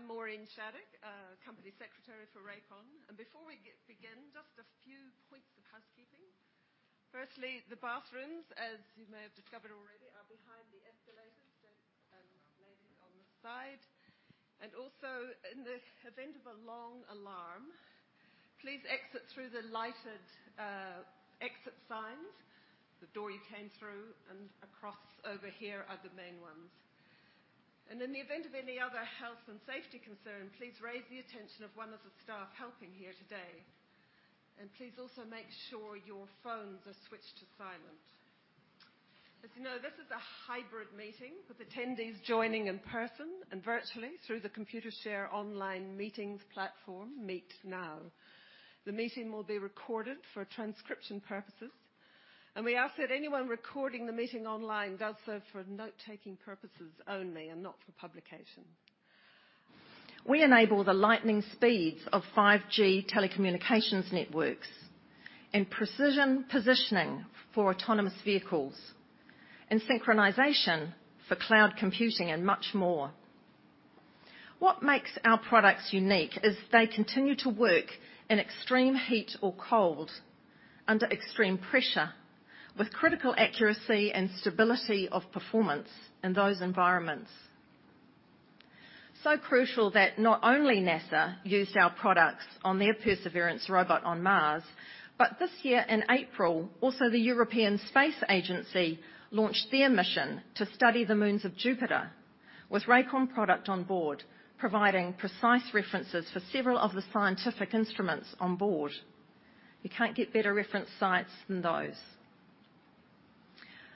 I'm Maureen Shaddick, Company Secretary for Rakon. Before we begin, just a few points of housekeeping. Firstly, the bathrooms, as you may have discovered already, are behind the escalators, gent and ladies, on the side. Also, in the event of a long alarm, please exit through the lighted exit signs. The door you came through and across over here are the main ones. In the event of any other health and safety concern, please raise the attention of one of the staff helping here today. Please also make sure your phones are switched to silent. As you know, this is a hybrid meeting, with attendees joining in person and virtually through the Computershare online meetings platform, MeetingNow. The meeting will be recorded for transcription purposes, and we ask that anyone recording the meeting online does so for note-taking purposes only and not for publication. We enable the lightning speeds of 5G telecommunications networks and precision positioning for autonomous vehicles and synchronization for cloud computing and much more. What makes our products unique is they continue to work in extreme heat or cold, under extreme pressure, with critical accuracy and stability of performance in those environments. So crucial that not only NASA used our products on their Perseverance robot on Mars, but this year, in April, also, the European Space Agency launched their mission to study the moons of Jupiter with Rakon product on board, providing precise references for several of the scientific instruments on board. You can't get better reference sites than those.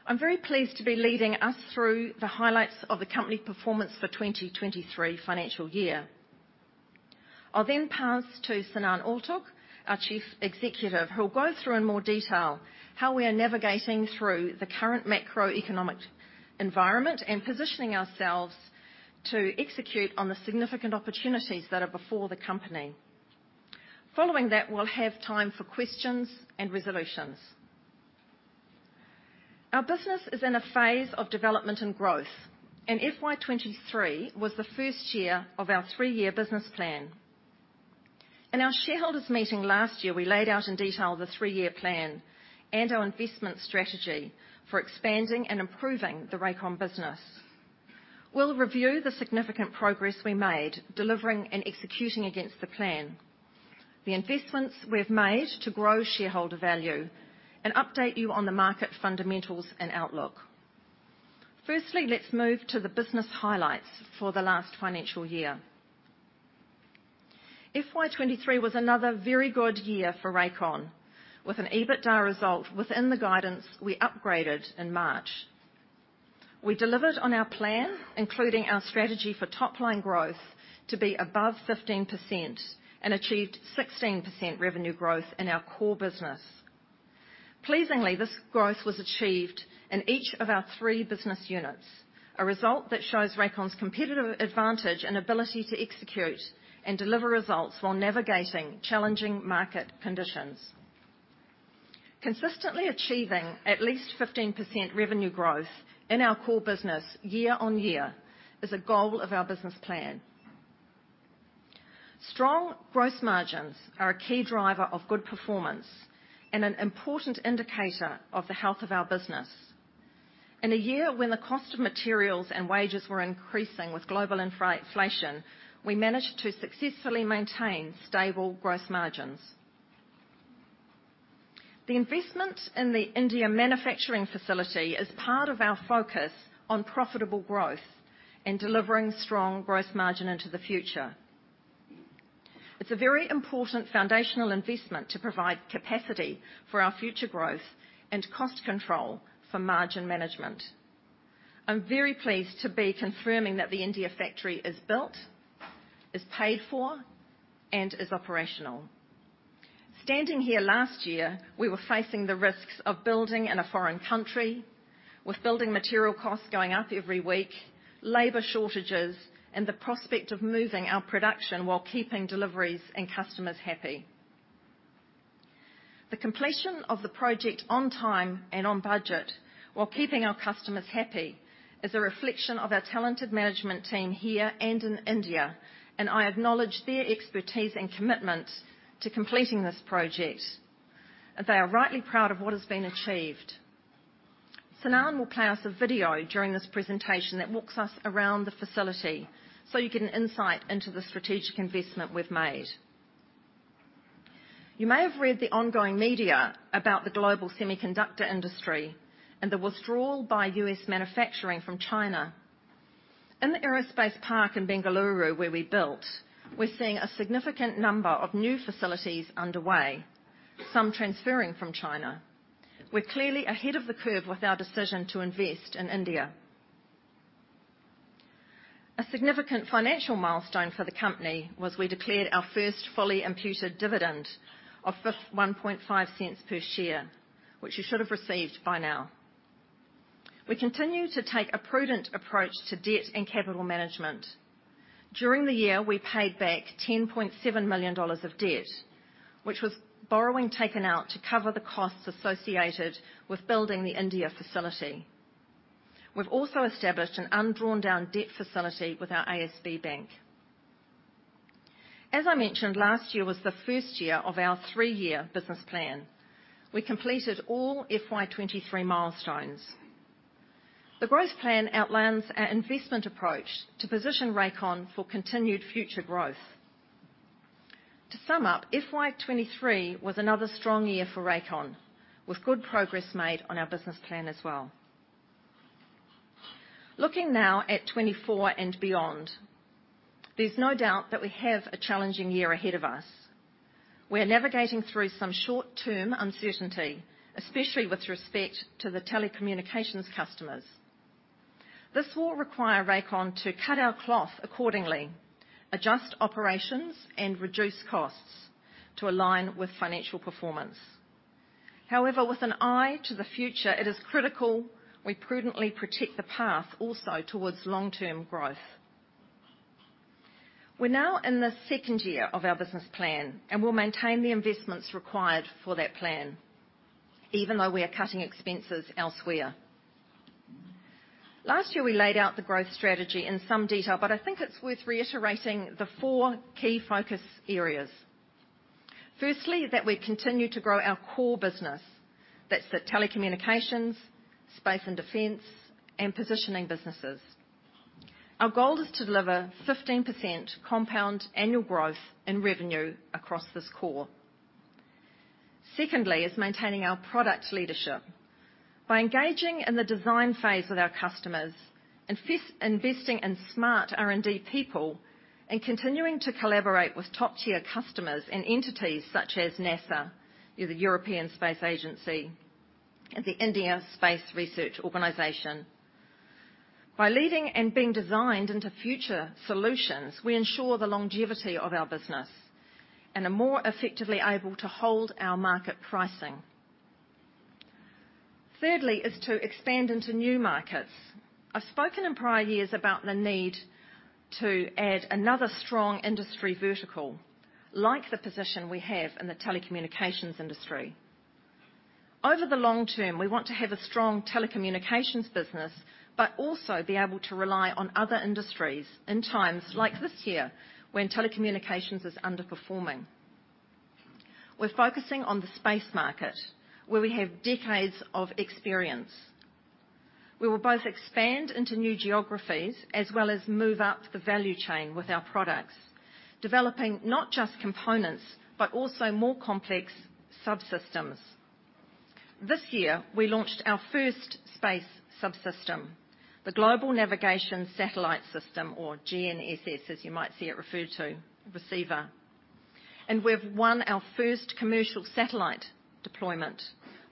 I'm very pleased to be leading us through the highlights of the company performance for 2023 financial year. I'll then pass to Sinan Altug, our Chief Executive, who will go through in more detail how we are navigating through the current macroeconomic environment and positioning ourselves to execute on the significant opportunities that are before the company. Following that, we'll have time for questions and resolutions. Our business is in a phase of development and growth, and FY2023 was the first year of our three-year business plan. In our shareholders' meeting last year, we laid out in detail the three-year plan and our investment strategy for expanding and improving the Rakon business. We'll review the significant progress we made, delivering and executing against the plan, the investments we've made to grow shareholder value, and update you on the market fundamentals and outlook. Firstly, let's move to the business highlights for the last financial year. FY2023 was another very good year for Rakon, with an EBITDA result within the guidance we upgraded in March. We delivered on our plan, including our strategy for top-line growth, to be above 15% and achieved 16% revenue growth in our core business. Pleasingly, this growth was achieved in each of our three business units, a result that shows Rakon's competitive advantage and ability to execute and deliver results while navigating challenging market conditions. Consistently achieving at least 15% revenue growth in our core business year-over-year is a goal of our business plan. Strong gross margins are a key driver of good performance and an important indicator of the health of our business. In a year when the cost of materials and wages were increasing with global infra inflation, we managed to successfully maintain stable gross margins. The investment in the India manufacturing facility is part of our focus on profitable growth and delivering strong gross margin into the future. It's a very important foundational investment to provide capacity for our future growth and cost control for margin management. I'm very pleased to be confirming that the India factory is built, is paid for, and is operational. Standing here last year, we were facing the risks of building in a foreign country, with building material costs going up every week, labor shortages, and the prospect of moving our production while keeping deliveries and customers happy. The completion of the project on time and on budget, while keeping our customers happy, is a reflection of our talented management team here and in India. I acknowledge their expertise and commitment to completing this project. They are rightly proud of what has been achieved. Sinan will play us a video during this presentation that walks us around the facility, so you get an insight into the strategic investment we've made. You may have read the ongoing media about the global semiconductor industry and the withdrawal by U.S manufacturing from China. In the Aerospace Park in Bengaluru, where we built, we're seeing a significant number of new facilities underway, some transferring from China. We're clearly ahead of the curve with our decision to invest in India. A significant financial milestone for the company was we declared our first fully imputed dividend of 1.5 cents per share, which you should have received by now. We continue to take a prudent approach to debt and capital management. During the year, we paid back 10.7 million dollars of debt, which was borrowing taken out to cover the costs associated with building the India facility. We've also established an undrawn down debt facility with our ASB Bank. As I mentioned, last year was the first year of our three-year business plan. We completed all FY2023 milestones. The growth plan outlines our investment approach to position Rakon for continued future growth. To sum up, FY2023 was another strong year for Rakon, with good progress made on our business plan as well. Looking now at 2024 and beyond, there's no doubt that we have a challenging year ahead of us. We are navigating through some short-term uncertainty, especially with respect to the telecommunications customers. This will require Rakon to cut our cloth accordingly, adjust operations, and reduce costs to align with financial performance. With an eye to the future, it is critical we prudently protect the path also towards long-term growth. We're now in the second year of our business plan, and we'll maintain the investments required for that plan, even though we are cutting expenses elsewhere. Last year, we laid out the growth strategy in some detail, but I think it's worth reiterating the four key focus areas. Firstly, that we continue to grow our core business. That's the telecommunications, space and defense, and positioning businesses. Our goal is to deliver 15% compound annual growth and revenue across this core. Secondly, is maintaining our product leadership. By engaging in the design phase with our customers, investing in smart R&D people, and continuing to collaborate with top-tier customers and entities such as NASA, the European Space Agency, and the Indian Space Research Organisation. By leading and being designed into future solutions, we ensure the longevity of our business and are more effectively able to hold our market pricing. Thirdly, is to expand into new markets. I've spoken in prior years about the need to add another strong industry vertical, like the position we have in the telecommunications industry. Over the long term, we want to have a strong telecommunications business, but also be able to rely on other industries in times like this year when telecommunications is underperforming. We're focusing on the space market, where we have decades of experience. We will both expand into new geographies as well as move up the value chain with our products, developing not just components, but also more complex subsystems. This year, we launched our first space subsystem, the Global Navigation Satellite System, or GNSS, as you might see it referred to, receiver. We've won our first commercial satellite deployment,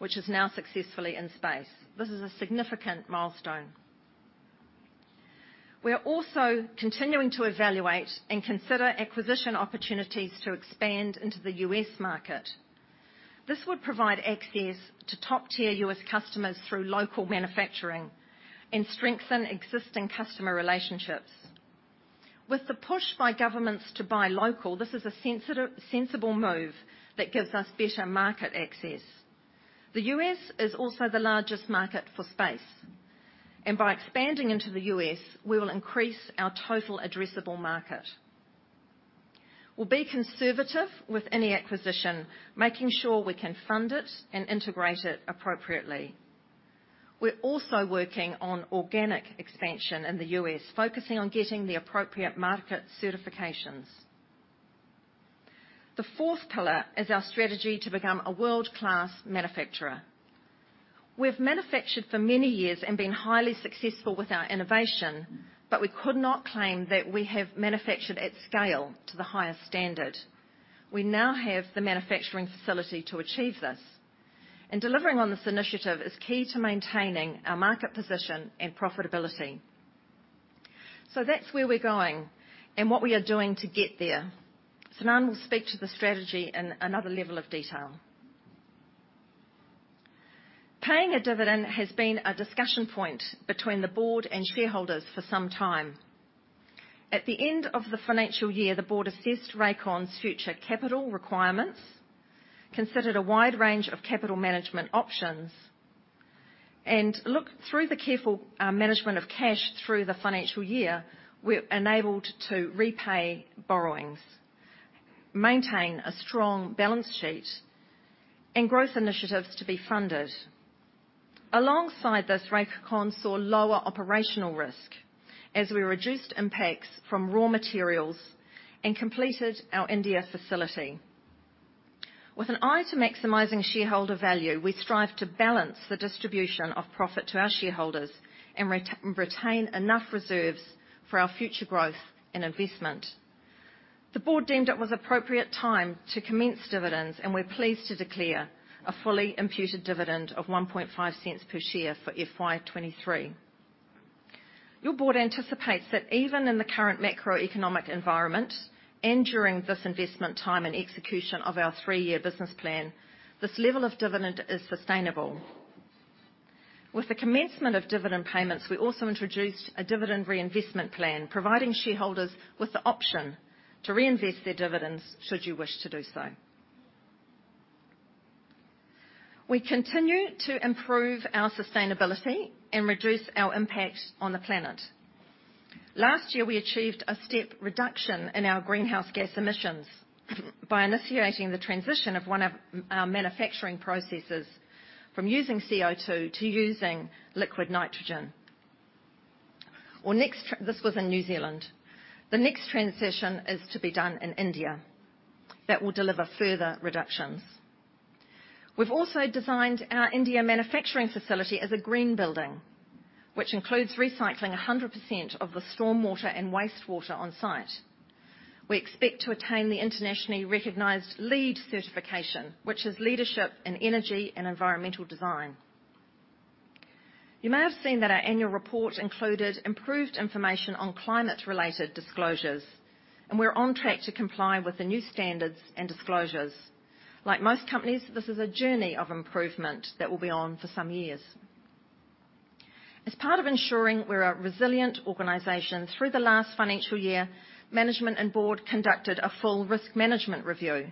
which is now successfully in space. This is a significant milestone. We are also continuing to evaluate and consider acquisition opportunities to expand into the U.S. market. This would provide access to top-tier U.S. customers through local manufacturing and strengthen existing customer relationships. With the push by governments to buy local, this is a sensible move that gives us better market access. The U.S. is also the largest market for space. By expanding into the U.S., we will increase our total addressable market. We'll be conservative with any acquisition, making sure we can fund it and integrate it appropriately. We're also working on organic expansion in the U.S., focusing on getting the appropriate market certifications. The fourth pillar is our strategy to become a world-class manufacturer. We've manufactured for many years and been highly successful with our innovation, we could not claim that we have manufactured at scale to the highest standard. We now have the manufacturing facility to achieve this. Delivering on this initiative is key to maintaining our market position and profitability. That's where we're going and what we are doing to get there. Sinan will speak to the strategy in another level of detail. Paying a dividend has been a discussion point between the board and shareholders for some time. At the end of the financial year, the board assessed Rakon's future capital requirements, considered a wide range of capital management options, looked through the careful management of cash through the financial year. We're enabled to repay borrowings, maintain a strong balance sheet and growth initiatives to be funded. Alongside this, Rakon saw lower operational risk as we reduced impacts from raw materials and completed our India facility. With an eye to maximizing shareholder value, we strive to balance the distribution of profit to our shareholders and retain enough reserves for our future growth and investment. The board deemed it was appropriate time to commence dividends. We're pleased to declare a fully imputed dividend of 0.015 per share for FY2023. Your board anticipates that even in the current macroeconomic environment and during this investment time and execution of our three-year business plan, this level of dividend is sustainable. With the commencement of dividend payments, we also introduced a dividend reinvestment plan, providing shareholders with the option to reinvest their dividends should you wish to do so. We continue to improve our sustainability and reduce our impact on the planet. Last year, we achieved a step reduction in our greenhouse gas emissions by initiating the transition of one of our manufacturing processes from using CO2 to using liquid nitrogen. Well, next, this was in New Zealand. The next transition is to be done in India. That will deliver further reductions. We've also designed our India manufacturing facility as a green building, which includes recycling 100% of the storm water and wastewater on site. We expect to attain the internationally recognized LEED certification, which is Leadership in Energy and Environmental Design. You may have seen that our annual report included improved information on climate-related disclosures, and we're on track to comply with the new standards and disclosures. Like most companies, this is a journey of improvement that will be on for some years. As part of ensuring we're a resilient organization, through the last financial year, management and board conducted a full risk management review,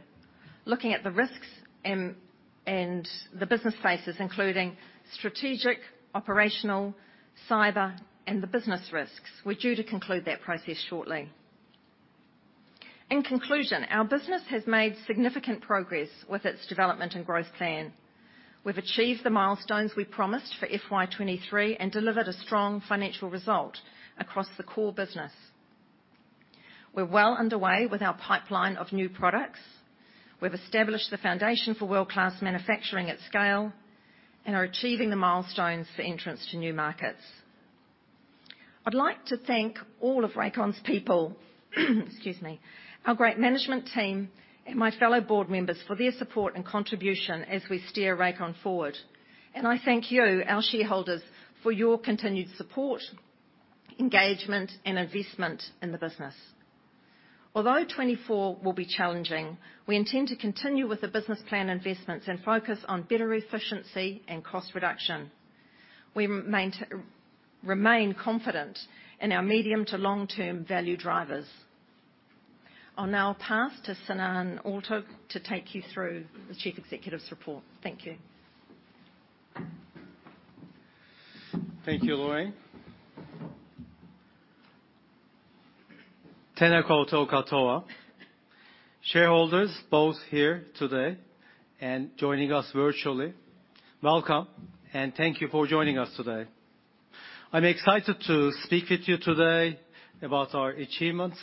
looking at the risks and the business spaces, including strategic, operational, cyber, and the business risks. We're due to conclude that process shortly. In conclusion, our business has made significant progress with its development and growth plan. We've achieved the milestones we promised for FY2023 and delivered a strong financial result across the core business. We're well underway with our pipeline of new products. We've established the foundation for world-class manufacturing at scale and are achieving the milestones for entrance to new markets. I'd like to thank all of Rakon's people, excuse me, our great management team, and my fellow board members for their support and contribution as we steer Rakon forward. I thank you, our shareholders, for your continued support, engagement, and investment in the business. Although 2024 will be challenging, we intend to continue with the business plan investments and focus on better efficiency and cost reduction. We remain confident in our medium to long-term value drivers. I'll now pass to Sinan Altug to take you through the Chief Executive's report. Thank you. Thank you, Lorraine. Tēnā koutou katoa. Shareholders, both here today and joining us virtually, welcome, and thank you for joining us today. I'm excited to speak with you today about our achievements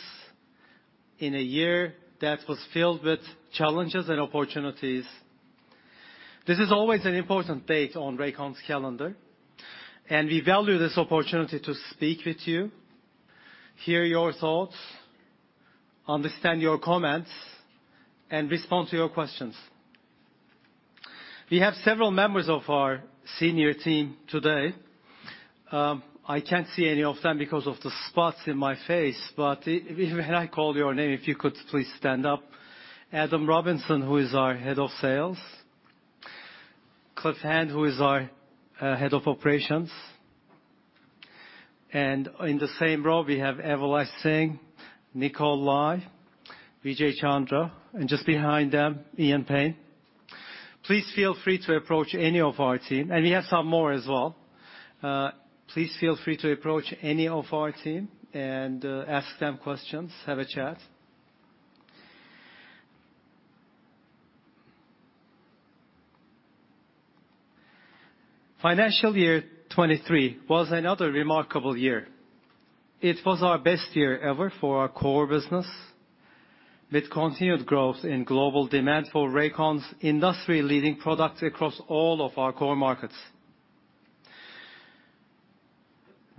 in a year that was filled with challenges and opportunities. This is always an important date on Rakon's calendar. We value this opportunity to speak with you, hear your thoughts, understand your comments, and respond to your questions. We have several members of our senior team today. I can't see any of them because of the spots in my face. If I call your name, if you could please stand up. Adam Robinson, who is our Head of Sales. Cliff Hand, who is our Head of Operations. In the same row, we have Evalice Singh, Nicole Lai, Vijay Chandra, and just behind them, Ian Payne. Please feel free to approach any of our team. We have some more as well. Please feel free to approach any of our team and ask them questions, have a chat. Financial year 2023 was another remarkable year. It was our best year ever for our core business, with continued growth in global demand for Rakon's industry-leading products across all of our core markets.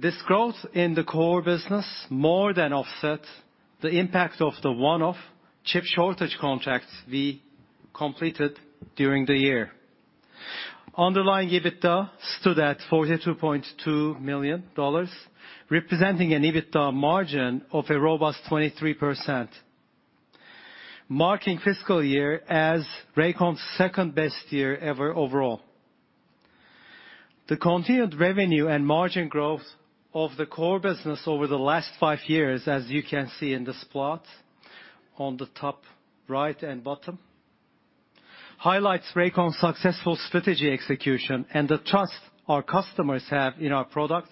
This growth in the core business more than offset the impact of the one-off chip shortage contracts we completed during the year. Underlying EBITDA stood at 42.2 million dollars, representing an EBITDA margin of a robust 23%, marking fiscal year as Rakon's second-best year ever overall. The continued revenue and margin growth of the core business over the last five years, as you can see in this plot on the top right and bottom, highlights Rakon's successful strategy execution and the trust our customers have in our products,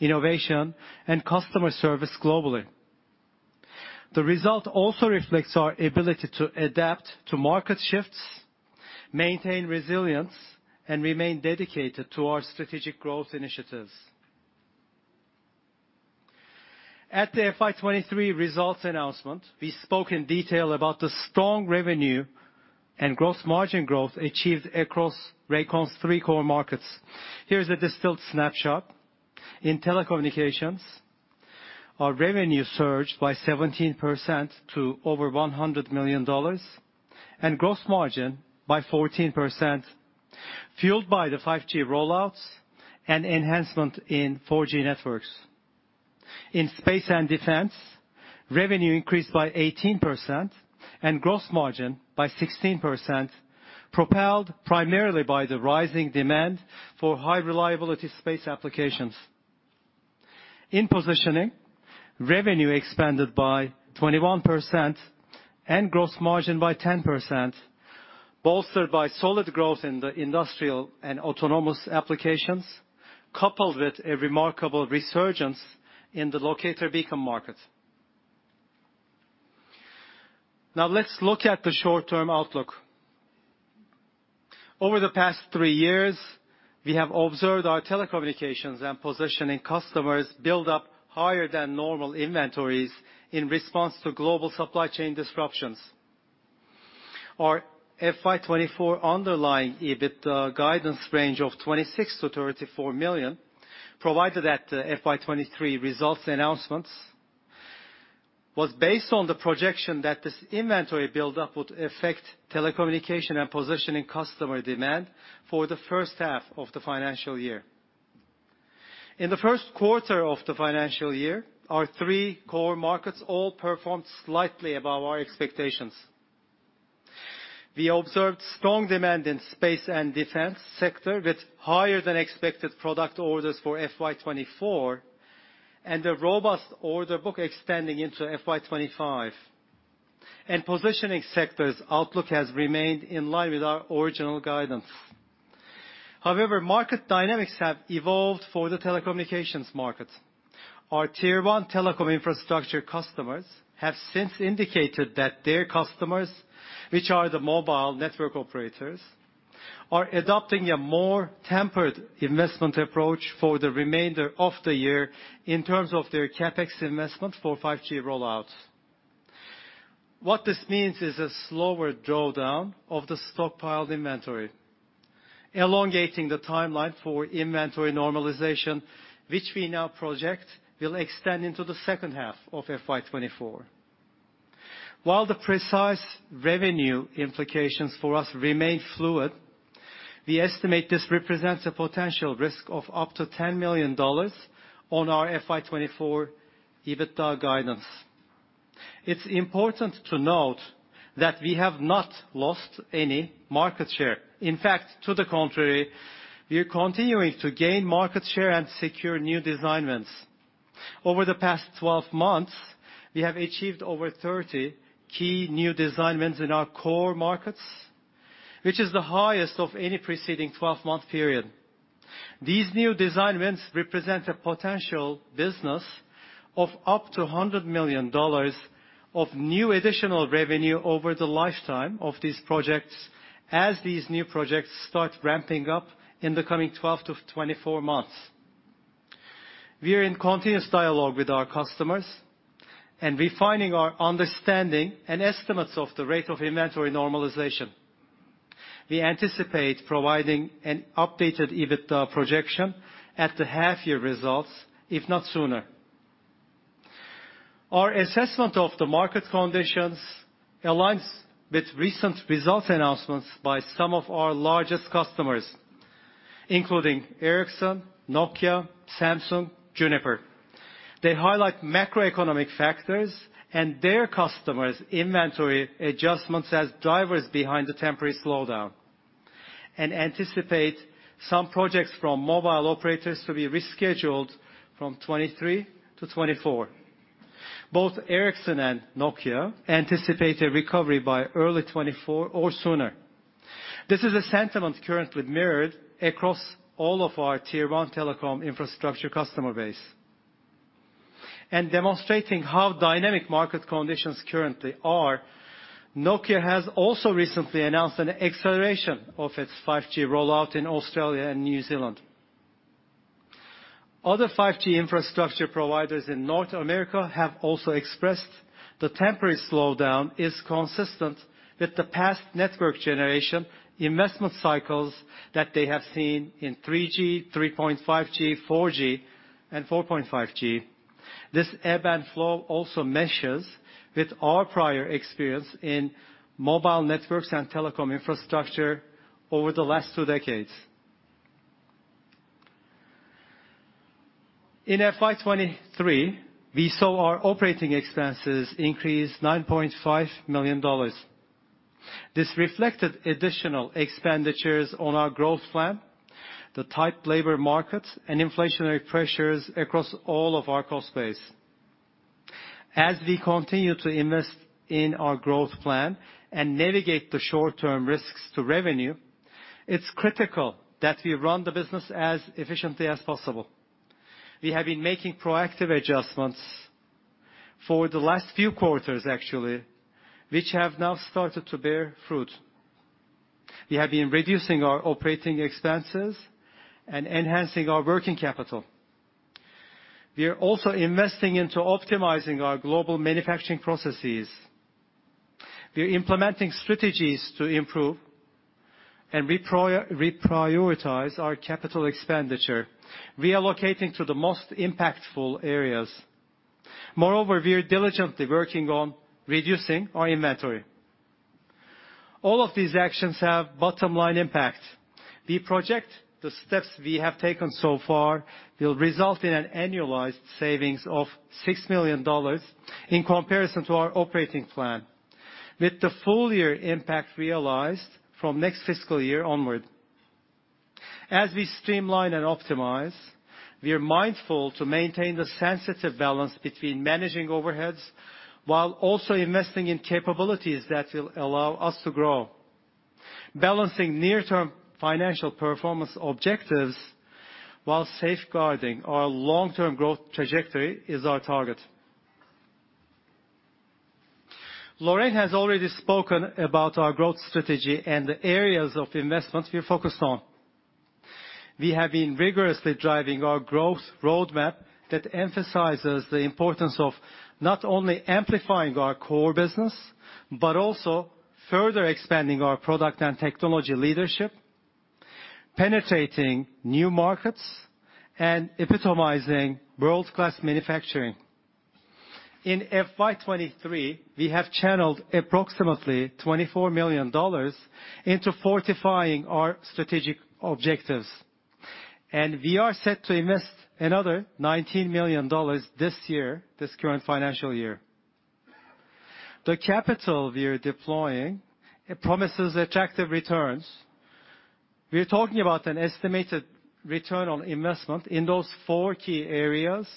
innovation, and customer service globally. The result also reflects our ability to adapt to market shifts, maintain resilience, and remain dedicated to our strategic growth initiatives. At the FY2023 results announcement, we spoke in detail about the strong revenue and gross margin growth achieved across Rakon's three core markets. Here's a distilled snapshot. In telecommunications, our revenue surged by 17% to over 100 million dollars and gross margin by 14%, fueled by the 5G rollouts and enhancement in 4G networks. In space and defense, revenue increased by 18% and gross margin by 16%, propelled primarily by the rising demand for high-reliability space applications. In positioning, revenue expanded by 21%, and gross margin by 10%, bolstered by solid growth in the industrial and autonomous applications, coupled with a remarkable resurgence in the locator beacon market. Now let's look at the short-term outlook. Over the past three years, we have observed our telecommunications and positioning customers build up higher than normal inventories in response to global supply chain disruptions. Our FY2024 underlying EBITDA guidance range of 26 million-34 million, provided at the FY2023 results announcements, was based on the projection that this inventory build-up would affect telecommunication and positioning customer demand for the first half of the financial year. In the first quarter of the financial year, our three core markets all performed slightly above our expectations. We observed strong demand in space and defense sector, with higher than expected product orders for FY2024, a robust order book extending into FY2025. Positioning sector's outlook has remained in line with our original guidance. However, market dynamics have evolved for the telecommunications market. Our tier one telecom infrastructure customers have since indicated that their customers, which are the mobile network operators, are adopting a more tempered investment approach for the remainder of the year in terms of their CapEx investment for 5G rollouts. What this means is a slower drawdown of the stockpiled inventory, elongating the timeline for inventory normalization, which we now project will extend into the second half of FY2024. While the precise revenue implications for us remain fluid, we estimate this represents a potential risk of up to $10 million on our FY2024 EBITDA guidance. It's important to note that we have not lost any market share. In fact, to the contrary, we are continuing to gain market share and secure new design wins. Over the past 12 months, we have achieved over 30 key new design wins in our core markets, which is the highest of any preceding 12-month period. These new design wins represent a potential business of up to $100 million of new additional revenue over the lifetime of these projects, as these new projects start ramping up in the coming 12-24 months. We are in continuous dialogue with our customers and refining our understanding and estimates of the rate of inventory normalization. We anticipate providing an updated EBITDA projection at the half-year results, if not sooner. Our assessment of the market conditions aligns with recent results announcements by some of our largest customers, including Ericsson, Nokia, Samsung, Juniper. They highlight macroeconomic factors and their customers' inventory adjustments as drivers behind the temporary slowdown, and anticipate some projects from mobile operators to be rescheduled from 2023 to 2024. Both Ericsson and Nokia anticipate a recovery by early 2024 or sooner. This is a sentiment currently mirrored across all of our tier 1 telecom infrastructure customer base. Demonstrating how dynamic market conditions currently are, Nokia has also recently announced an acceleration of its 5G rollout in Australia and New Zealand. Other 5G infrastructure providers in North America have also expressed the temporary slowdown is consistent with the past network generation investment cycles that they have seen in 3G, 3.5G, 4G, and 4.5G. This ebb and flow also meshes with our prior experience in mobile networks and telecom infrastructure over the last two decades. In FY2023, we saw our OpEx increase NZD 9.5 million. This reflected additional expenditures on our growth plan, the tight labor market, and inflationary pressures across all of our cost base. We continue to invest in our growth plan and navigate the short-term risks to revenue, it's critical that we run the business as efficiently as possible. We have been making proactive adjustments for the last few quarters, actually, which have now started to bear fruit. We have been reducing our operating expenses and enhancing our working capital. We are also investing into optimizing our global manufacturing processes. We are implementing strategies to improve and reprioritize our capital expenditure, reallocating to the most impactful areas. Moreover, we are diligently working on reducing our inventory. All of these actions have bottom line impact. We project the steps we have taken so far will result in an annualized savings of $6 million in comparison to our operating plan, with the full year impact realized from next fiscal year onward. As we streamline and optimize, we are mindful to maintain the sensitive balance between managing overheads, while also investing in capabilities that will allow us to grow. Balancing near-term financial performance objectives, while safeguarding our long-term growth trajectory, is our target. Lorraine has already spoken about our growth strategy and the areas of investment we are focused on. We have been vigorously driving our growth roadmap that emphasizes the importance of not only amplifying our core business, but also further expanding our product and technology leadership, penetrating new markets, and epitomizing world-class manufacturing. In FY2023, we have channeled approximately 24 million dollars into fortifying our strategic objectives, and we are set to invest another 19 million dollars this year, this current financial year. The capital we are deploying, it promises attractive returns. We are talking about an estimated return on investment in those four key areas,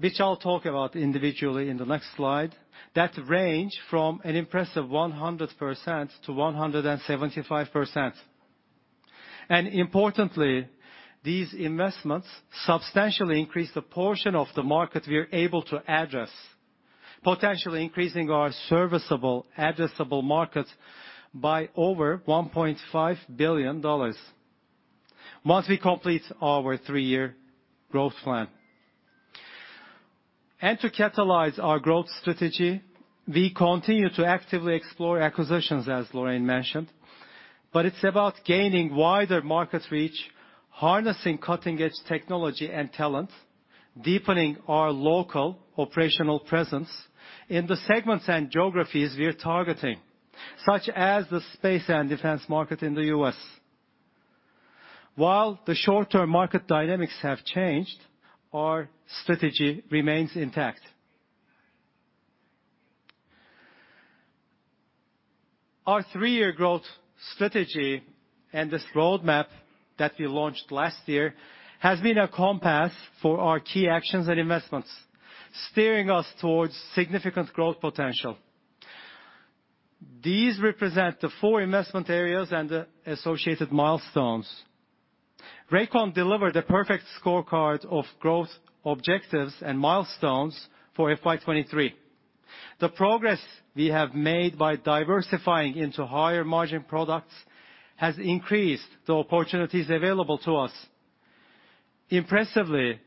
which I'll talk about individually in the next slide, that range from an impressive 100%-175%. Importantly, these investments substantially increase the portion of the market we are able to address, potentially increasing our serviceable addressable market by over 1.5 billion dollars once we complete our three-year growth plan. To catalyze our growth strategy, we continue to actively explore acquisitions, as Lorraine mentioned, but it's about gaining wider market reach, harnessing cutting-edge technology and talent, deepening our local operational presence in the segments and geographies we are targeting, such as the space and defense market in the U.S. While the short-term market dynamics have changed, our strategy remains intact. Our three-year growth strategy and this roadmap that we launched last year, has been a compass for our key actions and investments, steering us towards significant growth potential. These represent the four investment areas and the associated milestones. Rakon delivered a perfect scorecard of growth, objectives, and milestones for FY2023. The progress we have made by diversifying into higher margin products has increased the opportunities available to us. Impressively,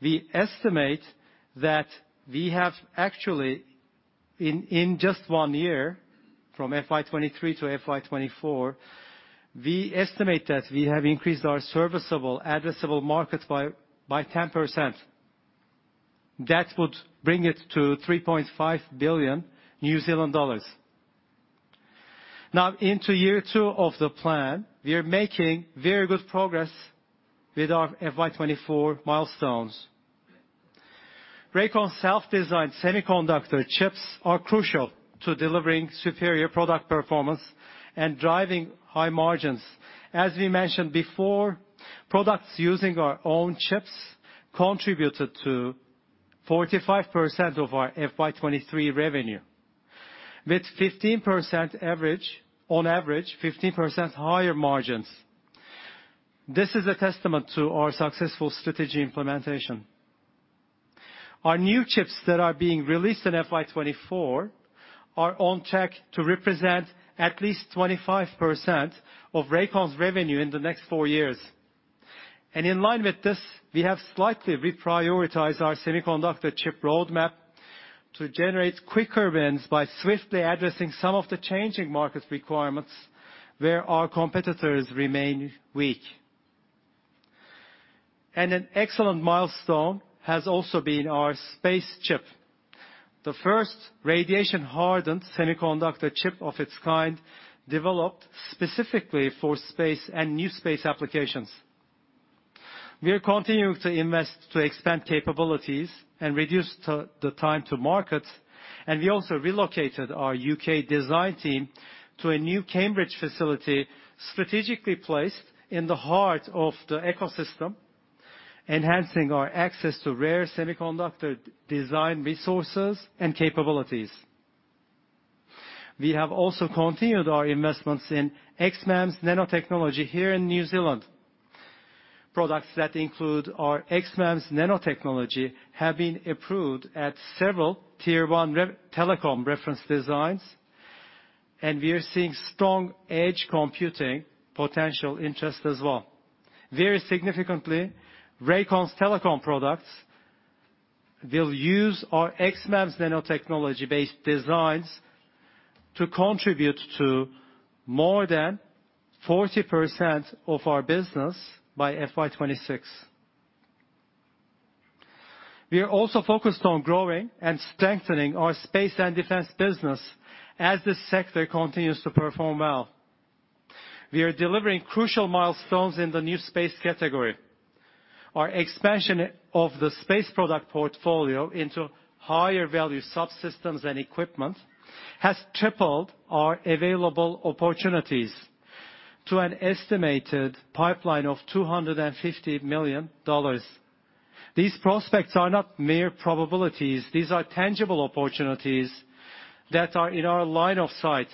we estimate that we have actually, in just one year, from FY2023 to FY2024, we estimate that we have increased our serviceable addressable market by 10%. That would bring it to 3.5 billion New Zealand dollars. Now, into year two of the plan, we are making very good progress with our FY2024 milestones. Rakon's self-designed semiconductor chips are crucial to delivering superior product performance and driving high margins. As we mentioned before, products using our own chips contributed to 45% of our FY2023 revenue, with 15% on average, 15% higher margins. This is a testament to our successful strategy implementation. Our new chips that are being released in FY2024 are on track to represent at least 25% of Rakon's revenue in the next four years. In line with this, we have slightly reprioritized our semiconductor chip roadmap to generate quicker wins by swiftly addressing some of the changing market requirements, where our competitors remain weak. An excellent milestone has also been our space chip, the first radiation-hardened semiconductor chip of its kind, developed specifically for space and new space applications. We are continuing to invest to expand capabilities and reduce the time to market, and we also relocated our U.K design team to a new Cambridge facility, strategically placed in the heart of the ecosystem, enhancing our access to rare semiconductor design resources and capabilities. We have also continued our investments in XMEMS nanotechnology here in New Zealand. Products that include our XMEMS nanotechnology have been approved at several tier one telecom reference designs. We are seeing strong edge computing potential interest as well. Very significantly, Rakon's telecom products will use our XMEMS nanotechnology-based designs to contribute to more than 40% of our business by FY2026. We are also focused on growing and strengthening our space and defense business as this sector continues to perform well. We are delivering crucial milestones in the new space category. Our expansion of the space product portfolio into higher value subsystems and equipment has tripled our available opportunities to an estimated pipeline of $250 million. These prospects are not mere probabilities. These are tangible opportunities that are in our line of sight,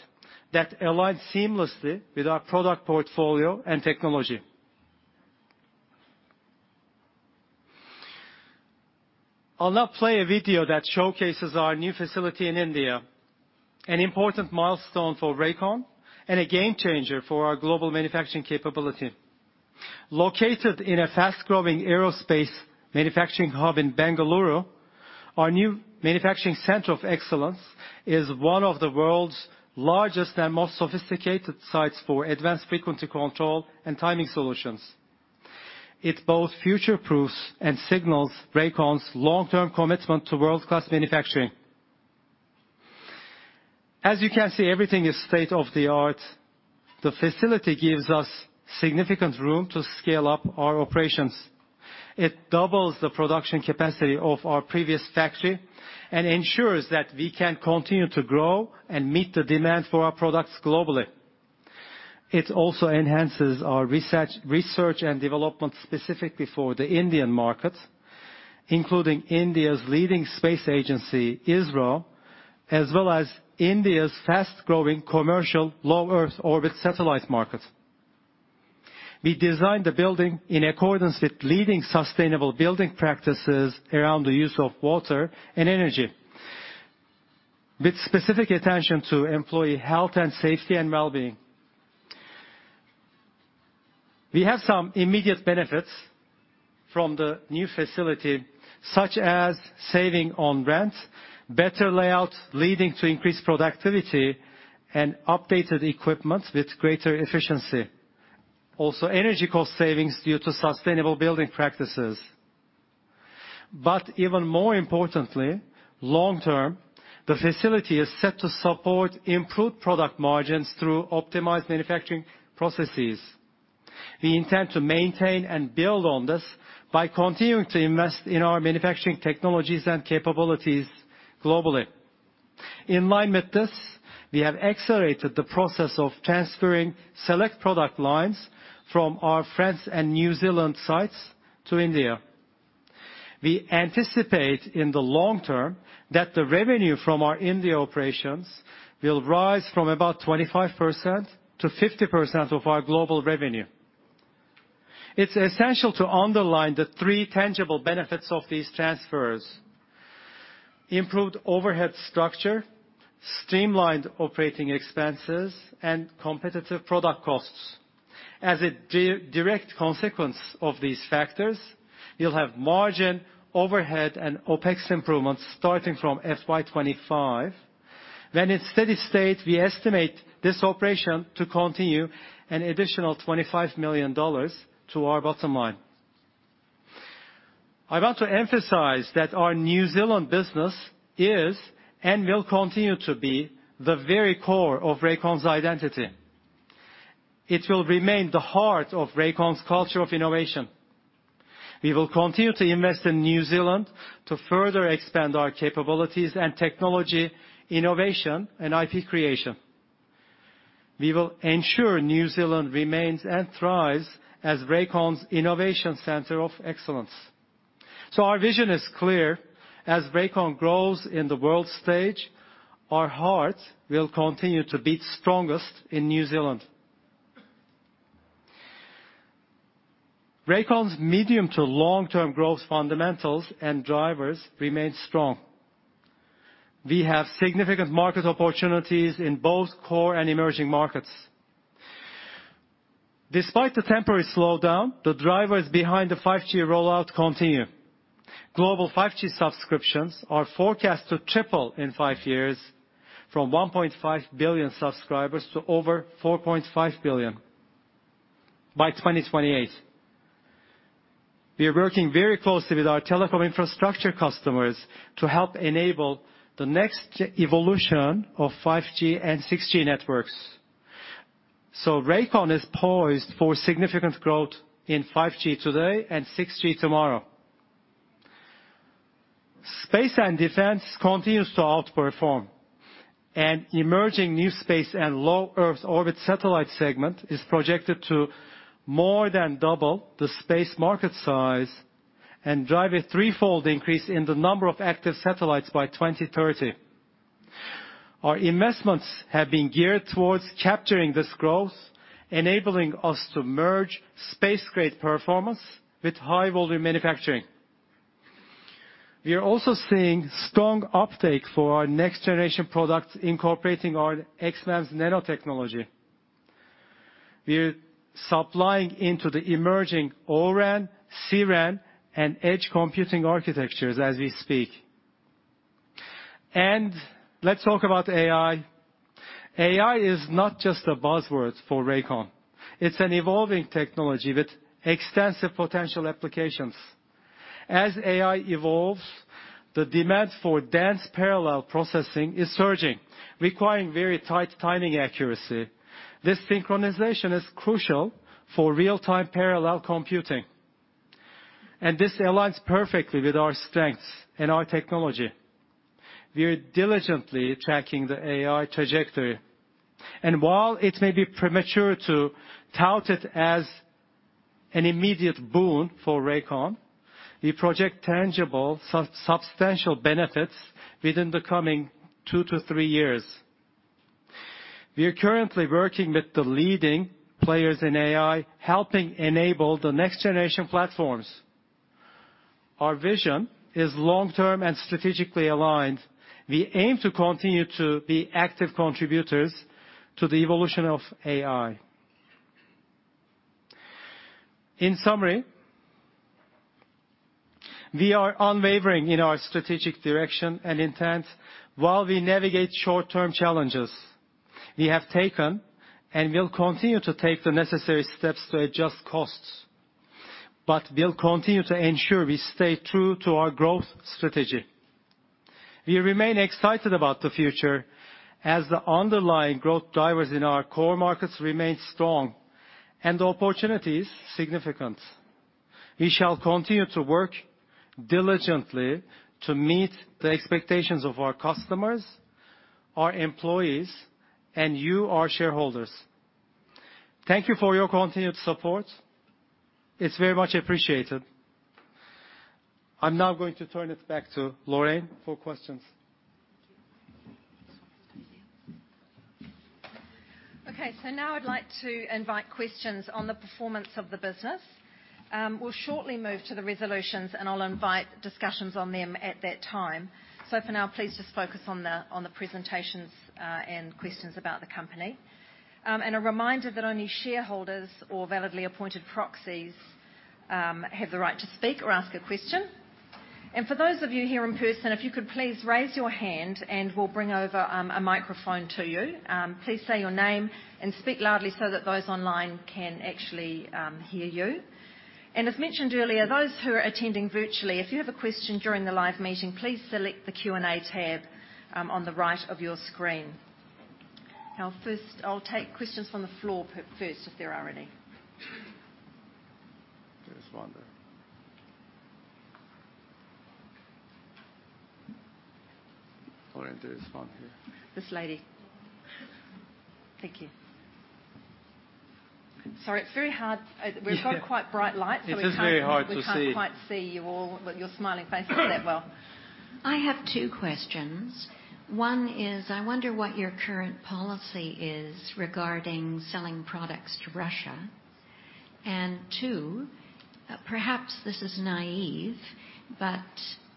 that align seamlessly with our product portfolio and technology. I'll now play a video that showcases our new facility in India, an important milestone for Rakon, and a game changer for our global manufacturing capability. Located in a fast-growing aerospace manufacturing hub in Bengaluru, our new manufacturing center of excellence is one of the world's largest and most sophisticated sites for advanced frequency control and timing solutions. It both future-proofs and signals Rakon's long-term commitment to world-class manufacturing. As you can see, everything is state-of-the-art. The facility gives us significant room to scale up our operations. It doubles the production capacity of our previous factory and ensures that we can continue to grow and meet the demand for our products globally. It also enhances our research and development, specifically for the Indian market, including India's leading space agency, ISRO, as well as India's fast-growing commercial low Earth orbit satellite market. We designed the building in accordance with leading sustainable building practices around the use of water and energy, with specific attention to employee health and safety and well-being. We have some immediate benefits from the new facility, such as saving on rent, better layout, leading to increased productivity, and updated equipment with greater efficiency. Energy cost savings due to sustainable building practices. Even more importantly, long term, the facility is set to support improved product margins through optimized manufacturing processes. We intend to maintain and build on this by continuing to invest in our manufacturing technologies and capabilities globally. In line with this, we have accelerated the process of transferring select product lines from our France and New Zealand sites to India. We anticipate, in the long term, that the revenue from our India operations will rise from about 25% to 50% of our global revenue. It's essential to underline the three tangible benefits of these transfers: improved overhead structure, streamlined operating expenses, and competitive product costs. As a direct consequence of these factors, you'll have margin, overhead, and OpEx improvements starting from FY2025. When in steady state, we estimate this operation to continue an additional 25 million dollars to our bottom line. I want to emphasize that our New Zealand business is, and will continue to be, the very core of Rakon's identity. It will remain the heart of Rakon's culture of innovation. We will continue to invest in New Zealand to further expand our capabilities and technology, innovation, and IP creation. We will ensure New Zealand remains and thrives as Rakon's innovation center of excellence. Our vision is clear. As Rakon grows in the world stage, our heart will continue to beat strongest in New Zealand. Rakon's medium to long-term growth fundamentals and drivers remain strong. We have significant market opportunities in both core and emerging markets. Despite the temporary slowdown, the drivers behind the 5G rollout continue. Global 5G subscriptions are forecast to triple in five-years, from 1.5 billion subscribers to over 4.5 billion by 2028. We are working very closely with our telecom infrastructure customers to help enable the next evolution of 5G and 6G networks. Rakon is poised for significant growth in 5G today and 6G tomorrow. Space and defense continues to outperform, and emerging new space and low-Earth orbit satellite segment is projected to more than double the space market size and drive a three-fold increase in the number of active satellites by 2030. Our investments have been geared towards capturing this growth, enabling us to merge space-grade performance with high-volume manufacturing. We are also seeing strong uptake for our next-generation products, incorporating our XMEMS nanotechnology. We're supplying into the emerging O-RAN, C-RAN, and edge computing architectures as we speak. Let's talk about AI. AI is not just a buzzword for Rakon. It's an evolving technology with extensive potential applications. As AI evolves, the demand for dense parallel processing is surging, requiring very tight timing accuracy. This synchronization is crucial for real-time parallel computing, and this aligns perfectly with our strengths and our technology. We are diligently tracking the AI trajectory, and while it may be premature to tout it as an immediate boon for Rakon, we project tangible sub-substantial benefits within the coming two to three years. We are currently working with the leading players in AI, helping enable the next generation platforms. Our vision is long-term and strategically aligned. We aim to continue to be active contributors to the evolution of AI. In summary, we are unwavering in our strategic direction and intent. While we navigate short-term challenges, we have taken and will continue to take the necessary steps to adjust costs, but we'll continue to ensure we stay true to our growth strategy. We remain excited about the future as the underlying growth drivers in our core markets remain strong and the opportunities significant. We shall continue to work diligently to meet the expectations of our customers, our employees, and you, our shareholders. Thank you for your continued support. It's very much appreciated. I'm now going to turn it back to Lorraine for questions. Okay, now I'd like to invite questions on the performance of the business. We'll shortly move to the resolutions, and I'll invite discussions on them at that time. For now, please just focus on the presentations, and questions about the company. A reminder that only shareholders or validly appointed proxies, have the right to speak or ask a question. For those of you here in person, if you could please raise your hand, and we'll bring over a microphone to you. Please say your name and speak loudly so that those online can actually hear you. As mentioned earlier, those who are attending virtually, if you have a question during the live meeting, please select the Q&A tab, on the right of your screen. First, I'll take questions from the floor first, if there are any. There is one there. Lorraine, there is one here. This lady. Thank you. Sorry, it's very hard. We've got quite bright lights. It is very hard to see. We can't, we can't quite see you all, but you're smiling faces that well. I have two questions. One is, I wonder what your current policy is regarding selling products to Russia. Two, perhaps this is naive, but,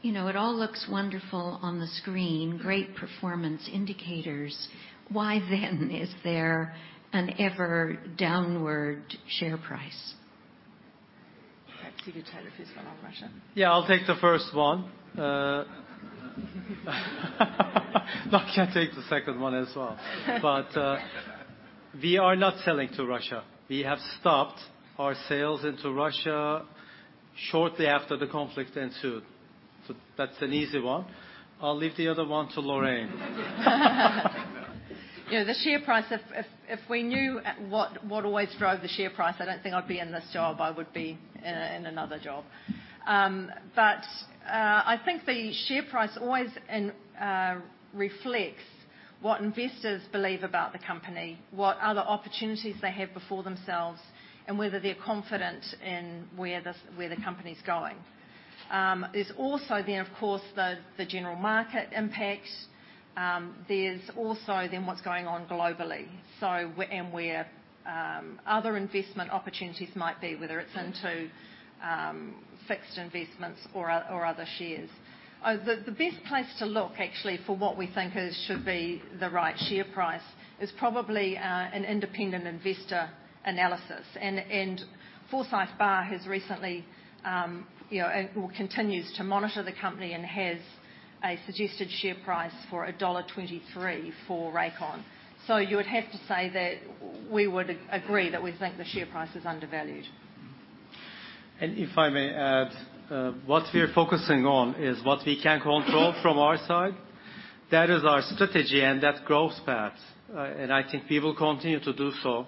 you know, it all looks wonderful on the screen, great performance indicators. Why then is there an ever downward share price? Perhaps you could take the first one on Russia. Yeah, I'll take the first one. I can take the second one as well. We are not selling to Russia. We have stopped our sales into Russia shortly after the conflict ensued. That's an easy one. I'll leave the other one to Lorraine. Yeah, the share price, if, if, if we knew what always drove the share price, I don't think I'd be in this job. I would be in another job. I think the share price always and reflects what investors believe about the company, what are the opportunities they have before themselves, and whether they're confident in where the company's going. There's also then, of course, the general market impact. There's also then what's going on globally. Where other investment opportunities might be, whether it's into fixed investments or other, or other shares. The best place to look, actually, for what we think is should be the right share price is probably an independent investor analysis. Forsyth Barr has recently, you know, continues to monitor the company and has a suggested share price for dollar 1.23 for Rakon. You would have to say that we would agree that we think the share price is undervalued. If I may add, what we are focusing on is what we can control from our side. That is our strategy and that growth path, and I think we will continue to do so.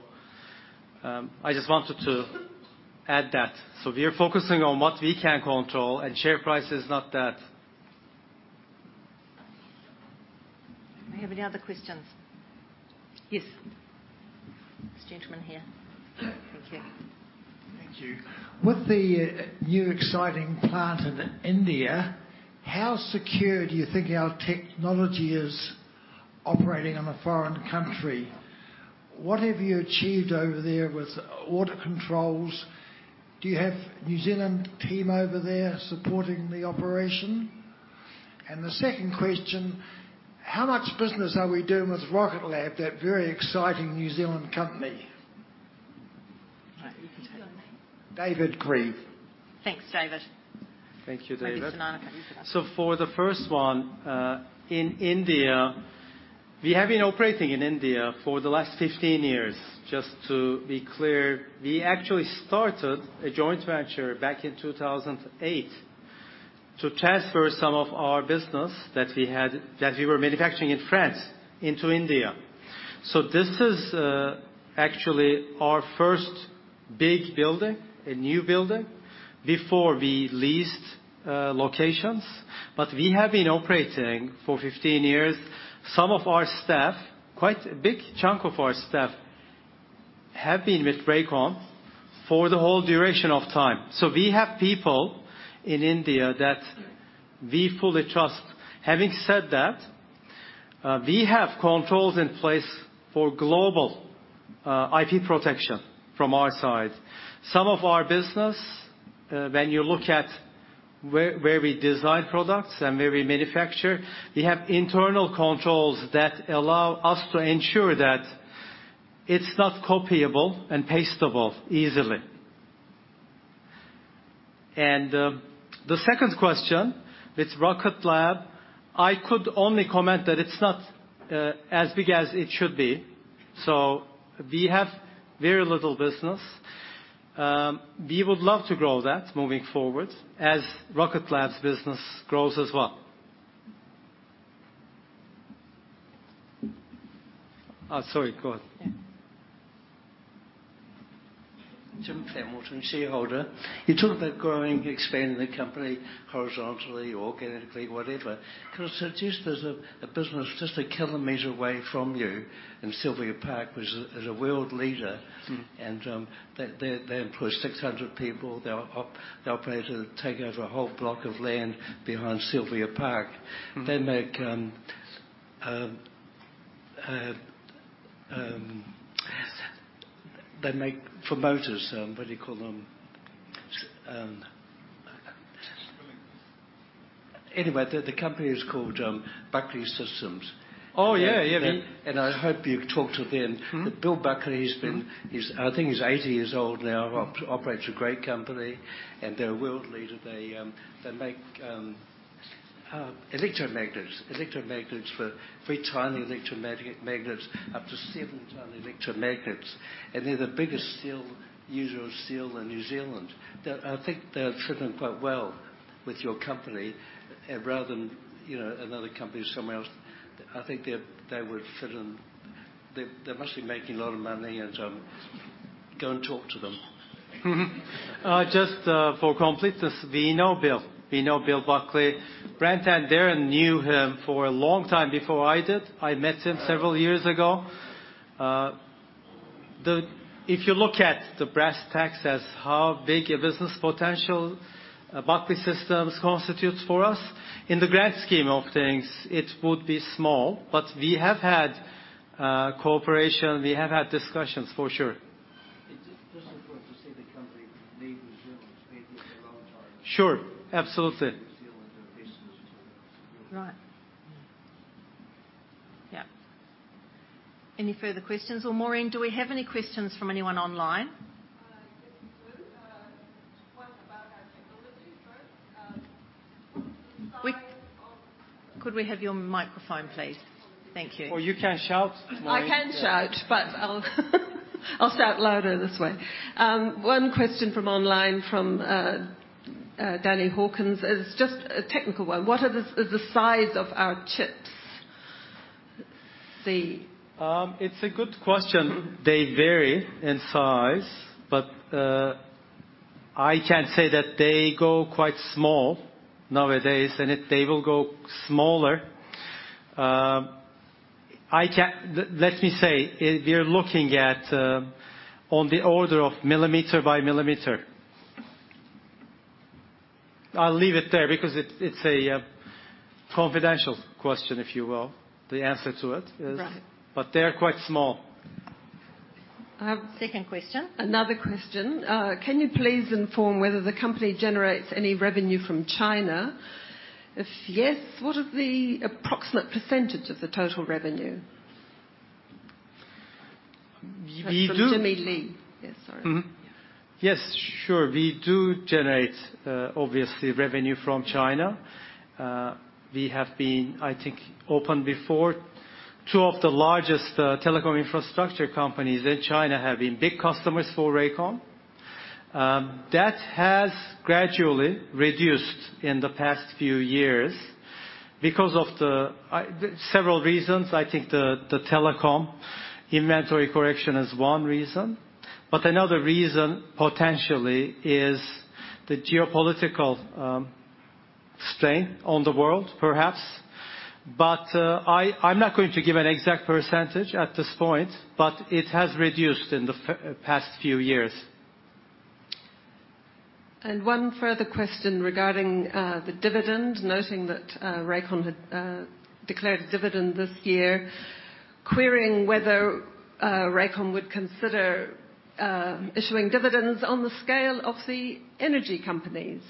I just wanted to add that. We are focusing on what we can control, and share price is not that. Do I have any other questions? Yes. This gentleman here. Thank you. Thank you. With the new exciting plant in India, how secure do you think our technology is operating in a foreign country? What have you achieved over there with water controls? Do you have a New Zealand team over there supporting the operation? The second question: How much business are we doing with Rocket Lab, that very exciting New Zealand company? All right. You can tell your name. David Creed. Thanks, David. Thank you, David. Maybe Sonika, you can... For the first one, in India. We have been operating in India for the last 15 years. Just to be clear, we actually started a joint venture back in 2008 to transfer some of our business that we were manufacturing in France into India. This is actually our first big building, a new building, before we leased locations, but we have been operating for 15 years. Some of our staff, quite a big chunk of our staff, have been with Rakon for the whole duration of time. We have people in India that we fully trust. Having said that, we have controls in place for global IP protection from our side. Some of our business, when you look at where, where we design products and where we manufacture, we have internal controls that allow us to ensure that it's not copyable and pastable easily. The second question, with Rocket Lab, I could only comment that it's not, as big as it should be. We have very little business. We would love to grow that moving forward as Rocket Lab's business grows as well. Sorry, go on. Yeah. Jim Hamilton, Shareholder. You talked about growing, expanding the company horizontally, organically, whatever. Can I suggest there's a, a business just 1 km away from you in Sylvia Park, which is, is a world leader. They, they, they employ 600 people. They operate to take over a whole block of land behind Sylvia Park. They make, they make for motors, what do you call them? Anyway, the, the company is called Buckley Systems. Oh, yeah, yeah. I hope you talk to them, Bill Buckley, he's been.I think he's 80 years old now.operates a great company, they're a world leader. They, they make, electromagnets. Electromagnets for very tiny electromagnetic magnets, up to seven tiny electromagnets, they're the biggest steel, user of steel in New Zealand. I think they'll fit in quite well with your company, rather than, you know, another company somewhere else. I think they, they would fit in. They, they're mostly making a lot of money, go and talk to them. Just for completeness, we know Bill. We know Bill Buckley. Brent and Darren knew him for a long time before I did. I met him several years ago. If you look at the brass tacks as how big a business potential Buckley Systems constitutes for us, in the grand scheme of things, it would be small, but we have had cooperation, we have had discussions, for sure. It's just important to see the company made in New Zealand, maybe it's a long time. Sure. Absolutely. New Zealand, basically. Right. Yeah. Any further questions? Maureen, do we have any questions from anyone online? Yes, we do. What about our technology first? The size of- We... Could we have your microphone, please? Thank you. You can shout, Maureen. I can shout, but I'll, I'll start louder this way. One question from online, from Danny Hawkins, is just a technical one: What are the, the size of our chips? Let's see. It's a good question. They vary in size, but I can say that they go quite small nowadays, and they will go smaller. The, let me say, if you're looking at, on the order of millimeter by millimeter. I'll leave it there because it's, it's a confidential question, if you will, the answer to it is- Right. They're quite small. Second question. Another question. Can you please inform whether the company generates any revenue from China? If yes, what are the approximate percentage of the total revenue? We, we do- From Jimmy Lee. Yes, sorry. Yes, sure. We do generate, obviously, revenue from China. We have been, I think, open before. Two of the largest telecom infrastructure companies in China have been big customers for Rakon. That has gradually reduced in the past few years because of the several reasons. I think the telecom inventory correction is one reason, but another reason, potentially, is the geopolitical strain on the world, perhaps. I'm not going to give an exact percentage at this point, but it has reduced in the past few years. One further question regarding the dividend, noting that Rakon had declared a dividend this year, querying whether Rakon would consider issuing dividends on the scale of the energy companies.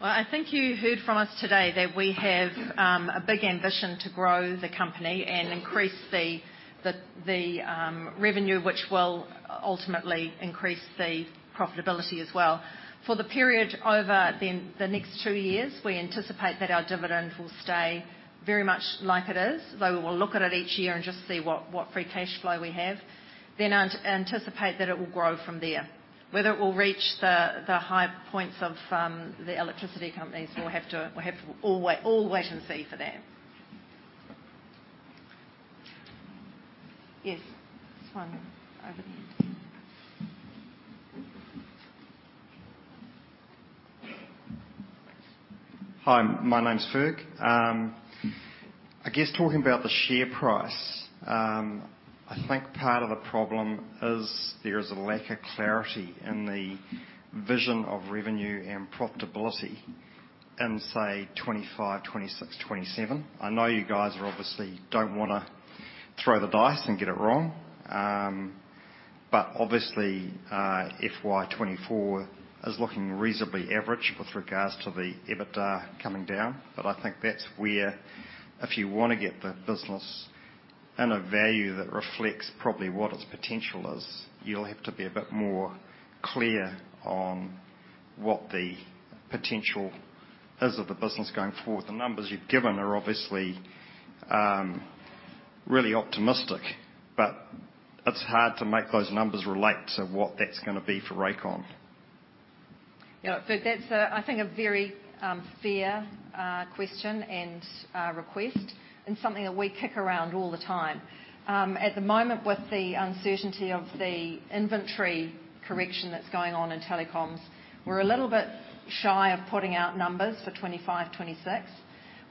Well, I think you heard from us today that we have a big ambition to grow the company and increase the revenue, which will ultimately increase the profitability as well. For the period over the next two years, we anticipate that our dividend will stay very much like it is, though we will look at it each year and just see what free cash flow we have, then anticipate that it will grow from there. Whether it will reach the high points of the electricity companies, we'll have to all wait and see for that. Yes, this one over there. Hi, my name's Ferg. I guess talking about the share price, I think part of the problem is there is a lack of clarity in the vision of revenue and profitability in, say, 2025, 2026, 2027. I know you guys are obviously don't wanna throw the dice and get it wrong. Obviously, FY2024 is looking reasonably average with regards to the EBITDA coming down, but I think that's where if you want to get the business in a value that reflects probably what its potential is, you'll have to be a bit more clear on what the potential is of the business going forward. The numbers you've given are obviously, really optimistic, but it's hard to make those numbers relate to what that's gonna be for Rakon. Yeah. That's a, I think, a very fair question and request, and something that we kick around all the time. At the moment, with the uncertainty of the inventory correction that's going on in telecoms, we're a little bit shy of putting out numbers for 2025, 2026,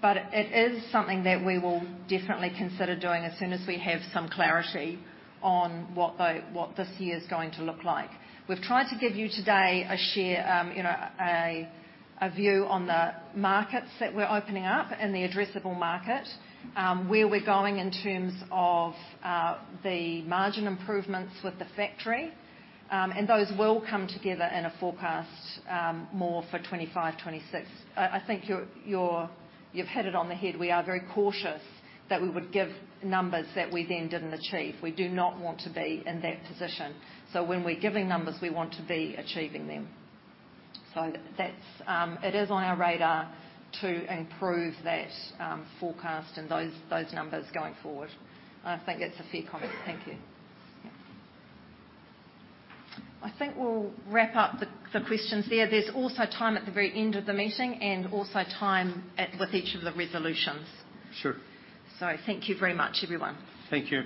but it is something that we will definitely consider doing as soon as we have some clarity on what the, what this year is going to look like. We've tried to give you today a share, you know, a view on the markets that we're opening up and the addressable market, where we're going in terms of the margin improvements with the factory. Those will come together in a forecast more for 2025, 2026. I, I think you've hit it on the head. We are very cautious that we would give numbers that we then didn't achieve. We do not want to be in that position. When we're giving numbers, we want to be achieving them. That's. It is on our radar to improve that forecast and those numbers going forward, and I think that's a fair comment. Thank you. Yeah. I think we'll wrap up the questions there. There's also time at the very end of the meeting and also time at, with each of the resolutions. Sure. Thank you very much, everyone. Thank you.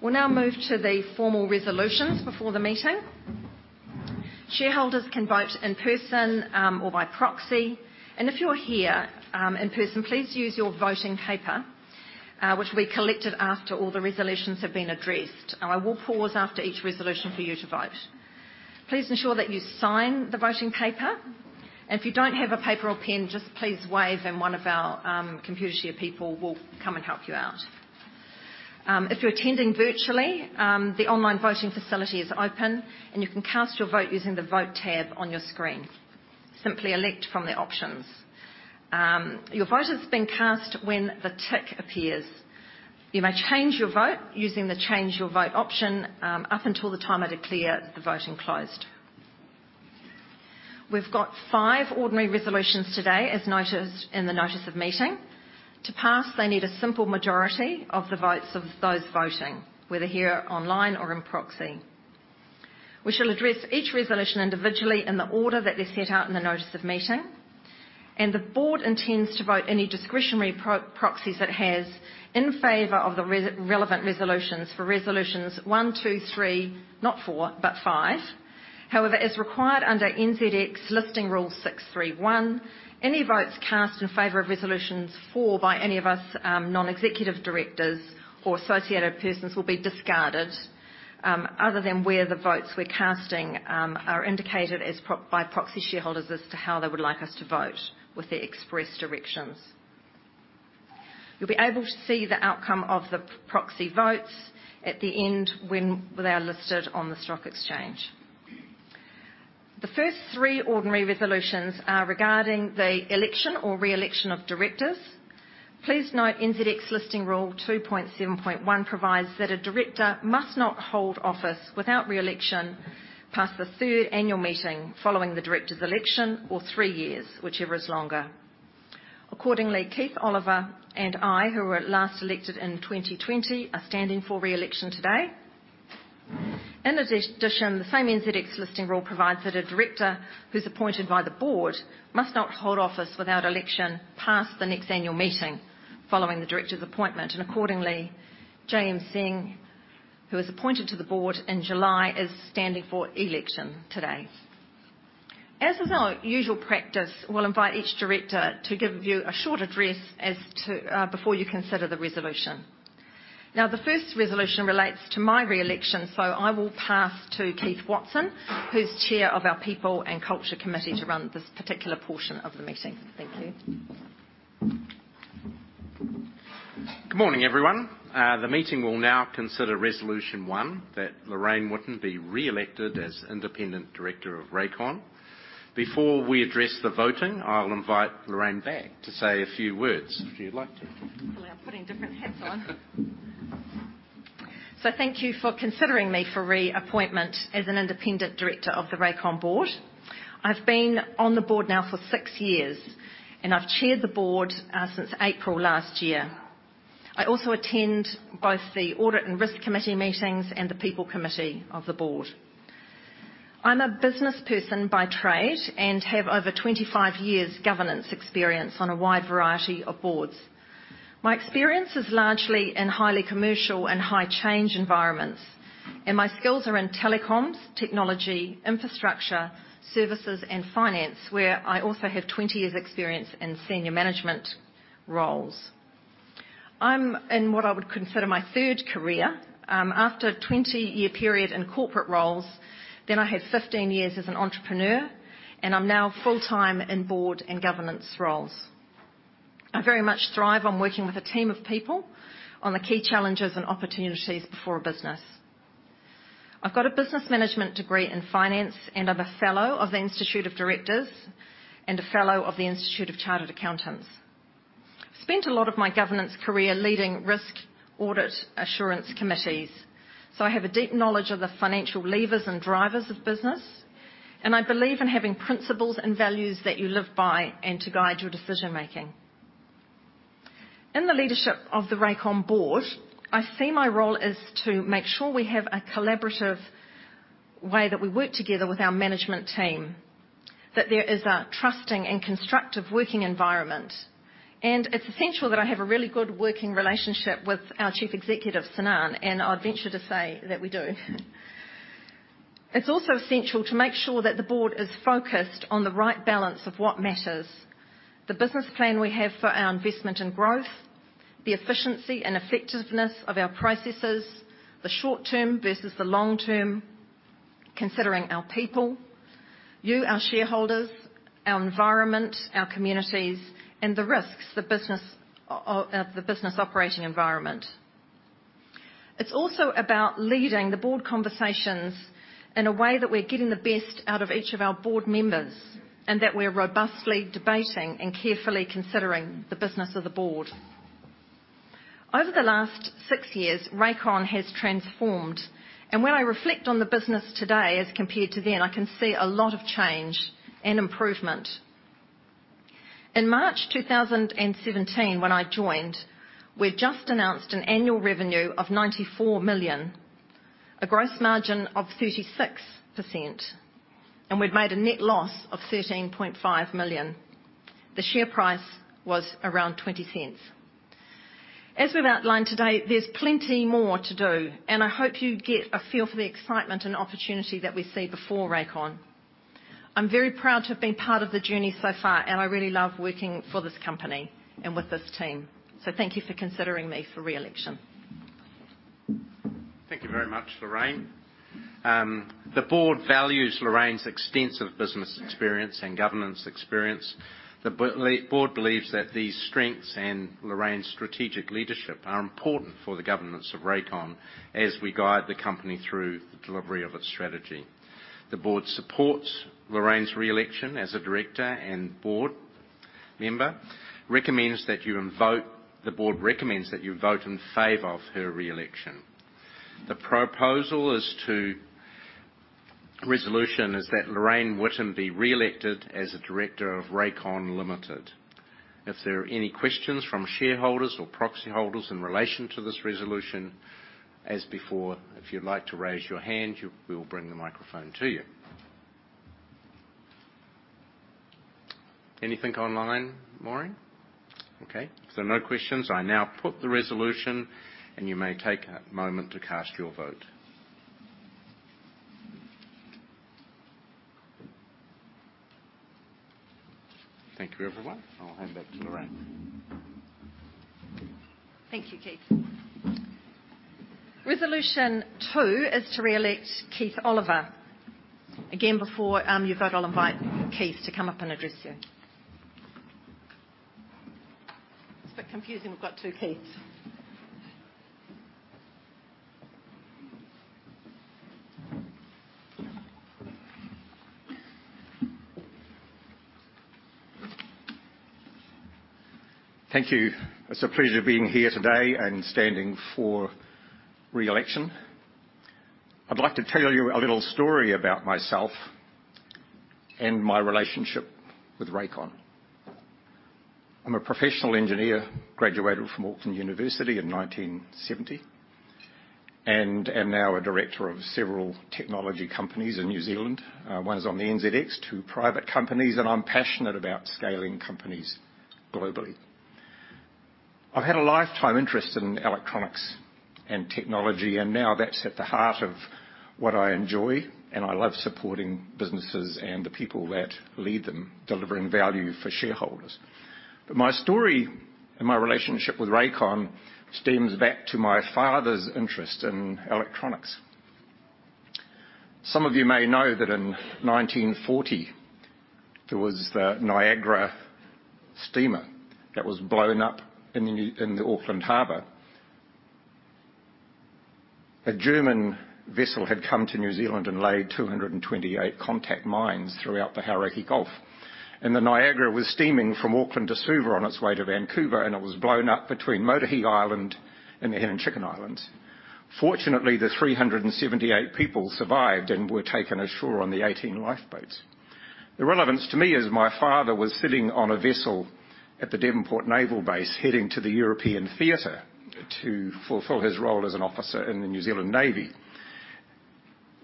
We'll now move to the formal resolutions before the meeting. Shareholders can vote in person or by proxy, and if you're here in person, please use your voting paper, which will be collected after all the resolutions have been addressed. I will pause after each resolution for you to vote. Please ensure that you sign the voting paper, and if you don't have a paper or pen, just please wave, and one of our Computershare people will come and help you out. If you're attending virtually, the online voting facility is open, and you can cast your vote using the Vote tab on your screen. Simply elect from the options. Your vote has been cast when the tick appears. You may change your vote using the Change Your Vote option, up until the time I declare the voting closed. We've got five ordinary resolutions today, as noticed in the notice of meeting. To pass, they need a simple majority of the votes of those voting, whether here online or in proxy. We shall address each resolution individually in the order that they're set out in the notice of meeting. The board intends to vote any discretionary proxies it has in favor of the relevant resolutions for resolutions 1, 2, 3, not 4, but 5. However, as required under NZX Listing Rule 6.3.1, any votes cast in favor of resolutions 4 by any of us, non-executive directors or associated persons will be discarded, other than where the votes we're casting are indicated by proxy shareholders as to how they would like us to vote with their express directions. You'll be able to see the outcome of the proxy votes at the end when they are listed on the stock exchange. The first 3 ordinary resolutions are regarding the election or re-election of directors. Please note, NZX Listing Rule 2.7.1 provides that a director must not hold office without re-election past the third annual meeting following the director's election or three years, whichever is longer. Keith Oliver and I, who were last elected in 2020, are standing for re-election today. In addition, the same NZX Listing Rule provides that a director who's appointed by the board must not hold office without election past the next annual meeting following the director's appointment, and accordingly, James Singh, who was appointed to the board in July, is standing for election today. As is our usual practice, we'll invite each director to give you a short address as to before you consider the resolution. The first resolution relates to my re-election, so I will pass to Keith Watson, who's chair of our People and Culture Committee, to run this particular portion of the meeting. Thank you. Good morning, everyone. The meeting will now consider resolution 1, that Lorraine Witten be re-elected as Independent Director of Rakon. Before we address the voting, I'll invite Lorraine back to say a few words if you'd like to. Well, I'm putting different hats on. Thank you for considering me for reappointment as an independent director of the Rakon board. I've been on the board now for six years, and I've chaired the board since April last year. I also attend both the Audit and Risk Committee meetings and the People and Culture Committee of the board. I'm a business person by trade and have over 25 years' governance experience on a wide variety of boards. My experience is largely in highly commercial and high change environments, and my skills are in telecoms, technology, infrastructure, services, and finance, where I also have 20 years experience in senior management roles. I'm in what I would consider my third career. After a 20-year period in corporate roles, then I had 15 years as an entrepreneur, and I'm now full-time in board and governance roles. I very much thrive on working with a team of people on the key challenges and opportunities before a business. I've got a business management degree in finance, and I'm a fellow of the Institute of Directors and a fellow of the Institute of Chartered Accountants. Spent a lot of my governance career leading risk audit assurance committees, so I have a deep knowledge of the financial levers and drivers of business, and I believe in having principles and values that you live by and to guide your decision making. In the leadership of the Rakon board, I see my role as to make sure we have a collaborative way that we work together with our management team, that there is a trusting and constructive working environment. It's essential that I have a really good working relationship with our Chief Executive, Sinan, and I'd venture to say that we do. It's also essential to make sure that the board is focused on the right balance of what matters, the business plan we have for our investment and growth, the efficiency and effectiveness of our processes, the short term versus the long term, considering our people, you, our shareholders, our environment, our communities, and the risks, the business operating environment. It's also about leading the board conversations in a way that we're getting the best out of each of our board members, and that we're robustly debating and carefully considering the business of the board. Over the last six years, Rakon has transformed, and when I reflect on the business today as compared to then, I can see a lot of change and improvement. In March 2017, when I joined, we'd just announced an annual revenue of 94 million, a gross margin of 36%, and we'd made a net loss of 13.5 million. The share price was around 0.20. As we've outlined today, there's plenty more to do, and I hope you get a feel for the excitement and opportunity that we see before Rakon. I'm very proud to have been part of the journey so far, and I really love working for this company and with this team. Thank you for considering me for re-election. Thank you very much, Lorraine. The board values Lorraine's extensive business experience and governance experience. The board believes that these strengths and Lorraine's strategic leadership are important for the governance of Rakon as we guide the company through the delivery of its strategy. The board supports Lorraine's re-election as a director and board member, the board recommends that you vote in favor of her re-election. The resolution is that Lorraine Witten be re-elected as a director of Rakon Limited. If there are any questions from shareholders or proxy holders in relation to this resolution, as before, if you'd like to raise your hand, you, we will bring the microphone to you. Anything online, Maureen? Okay, no questions. I now put the resolution, and you may take a moment to cast your vote. Thank you, everyone. I'll hand back to Lorraine. Thank you, Keith. resolution 2 is to re-elect Keith Oliver. Again, before you vote, I'll invite Keith to come up and address you. It's a bit confusing. We've got two Keiths. Thank you. It's a pleasure being here today and standing for re-election. I'd like to tell you a little story about myself and my relationship with Rakon. I'm a professional engineer, graduated from The University of Auckland in 1970, and am now a director of several technology companies in New Zealand. One is on the NZX, two private companies, and I'm passionate about scaling companies globally. I've had a lifetime interest in electronics and technology, and now that's at the heart of what I enjoy, and I love supporting businesses and the people that lead them, delivering value for shareholders. My story and my relationship with Rakon stems back to my father's interest in electronics. Some of you may know that in 1940, there was the RMS Niagara that was blown up in the, in the Auckland Harbor. A German vessel had come to New Zealand and laid 228 contact mines throughout the Hauraki Gulf, and the Niagara was steaming from Auckland to Suva on its way to Vancouver, and it was blown up between Motuihe Island and the Hen and Chicken Islands. Fortunately, the 378 people survived and were taken ashore on the 18 lifeboats. The relevance to me is my father was sitting on a vessel at the Devonport Naval Base, heading to the European theater to fulfill his role as an officer in the New Zealand Navy.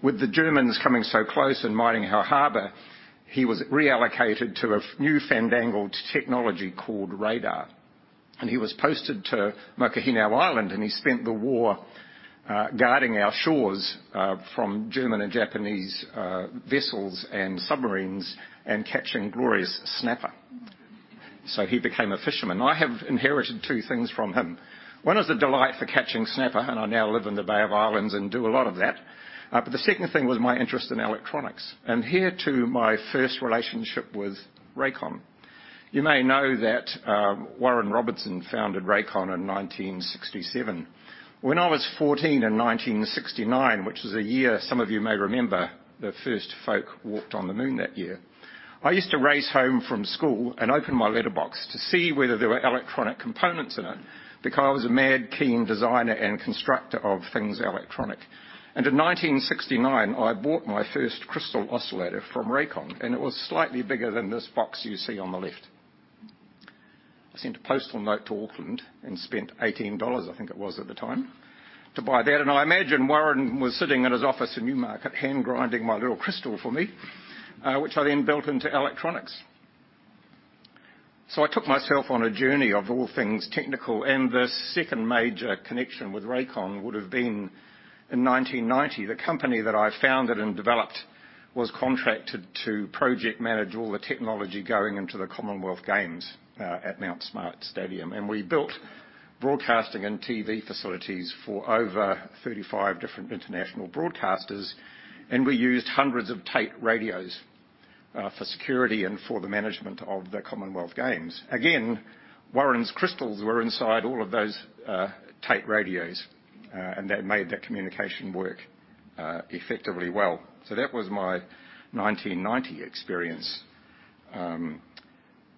With the Germans coming so close and mining our harbor, he was reallocated to a new fandangled technology called radar, and he was posted to Mokohinau Island, and he spent the war guarding our shores from German and Japanese vessels and submarines and catching glorious snapper. He became a fisherman. I have inherited two things from him. One is a delight for catching snapper, and I now live in the Bay of Islands and do a lot of that. The second thing was my interest in electronics, and hereto my first relationship with Rakon. You may know that Warren Robinson founded Rakon in 1967. When I was 14 in 1969, which is a year some of you may remember, the first folk walked on the moon that year. I used to race home from school and open my letterbox to see whether there were electronic components in it because I was a mad, keen designer and constructor of things electronic. In 1969, I bought my first crystal oscillator from Rakon, and it was slightly bigger than this box you see on the left. I sent a postal note to Auckland and spent 18 dollars, I think it was at the time, to buy that. I imagine Warren was sitting in his office in Newmarket, hand-grinding my little crystal for me, which I then built into electronics. I took myself on a journey of all things technical, and the second major connection with Rakon would have been in 1990. The company that I founded and developed was contracted to project manage all the technology going into the Commonwealth Games, at Mount Smart Stadium, and we built broadcasting and TV facilities for over 35 different international broadcasters, and we used hundreds of Tait radios, for security and for the management of the Commonwealth Games. Warren's crystals were inside all of those, Tait radios, and they made that communication work, effectively well. That was my 1990 experience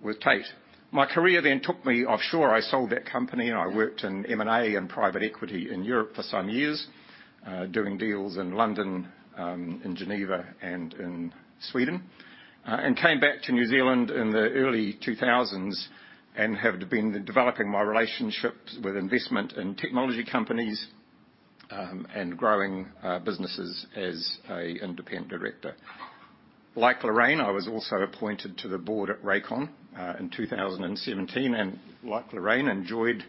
with Tait. My career then took me offshore. I sold that company, and I worked in M&A and private equity in Europe for some years, doing deals in London, in Geneva, and in Sweden. Came back to New Zealand in the early 2000s and have been developing my relationships with investment in technology companies, and growing businesses as a independent director. Like Lorraine, I was also appointed to the board at Rakon in 2017, and like Lorraine, enjoyed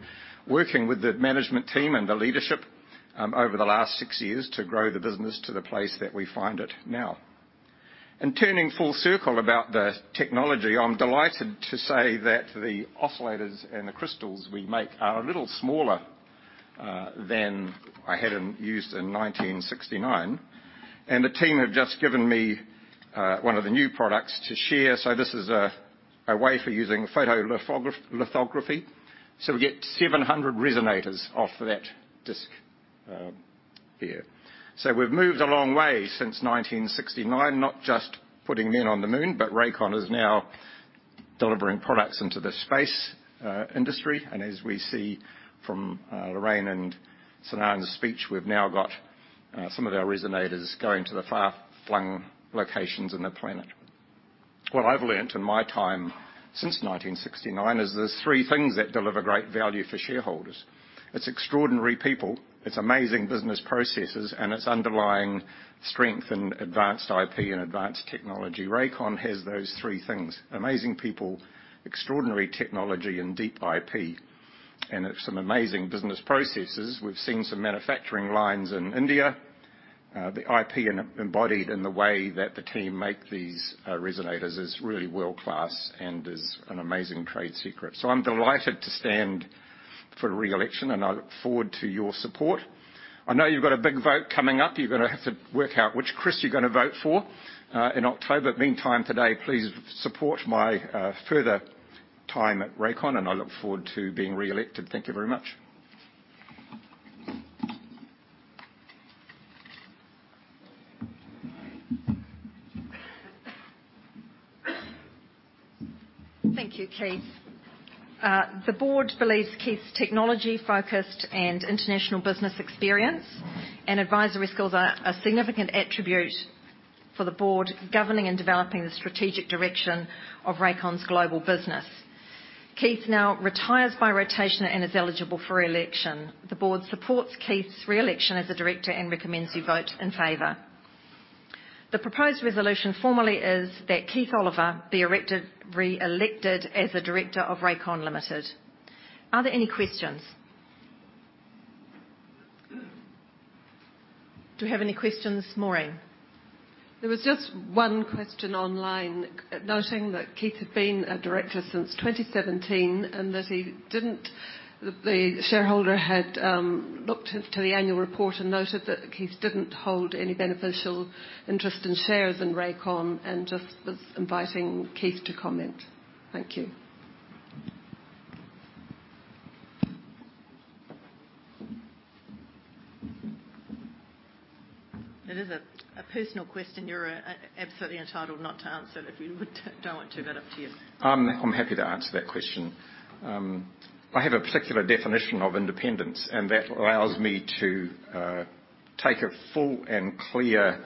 working with the management team and the leadership over the last six years to grow the business to the place that we find it now. Turning full circle about the technology, I'm delighted to say that the oscillators and the crystals we make are a little smaller, than I had, used in 1969. The team have just given me, one of the new products to share. This is a way for using photolithography. We get 700 resonators off of that disk, here. We've moved a long way since 1969, not just putting men on the moon, but Rakon is now delivering products into the space, industry. As we see from, Lorraine and Sinan's speech, we've now got, some of our resonators going to the far-flung locations in the planet. What I've learned in my time since 1969 is there's three things that deliver great value for shareholders. It's extraordinary people, it's amazing business processes, and it's underlying strength in advanced IP and advanced technology. Rakon has those three things: amazing people, extraordinary technology, and deep IP, and it's some amazing business processes. We've seen some manufacturing lines in India. The IP embodied in the way that the team make these resonators is really world-class and is an amazing trade secret. I'm delighted to stand for re-election, and I look forward to your support. I know you've got a big vote coming up. You're going to have to work out which Chris you're going to vote for in October. Meantime, today, please support my further time at Rakon, and I look forward to being re-elected. Thank you very much. Thank you, Keith. The board believes Keith's technology-focused and international business experience and advisory skills are a significant attribute for the board, governing and developing the strategic direction of Rakon's global business. Keith now retires by rotation and is eligible for re-election. The board supports Keith's re-election as a director and recommends you vote in favor. The proposed resolution formally is that Keith Oliver be re-elected as a director of Rakon Limited. Are there any questions? Do we have any questions, Maureen? There was just one question online, noting that Keith had been a director since 2017, and that he didn't the shareholder had looked into the annual report and noted that Keith didn't hold any beneficial interest in shares in Rakon, and just was inviting Keith to comment. Thank you. It is a, a personal question you're absolutely entitled not to answer if you would don't want to. That's up to you. I'm happy to answer that question. I have a particular definition of independence. That allows me to take a full and clear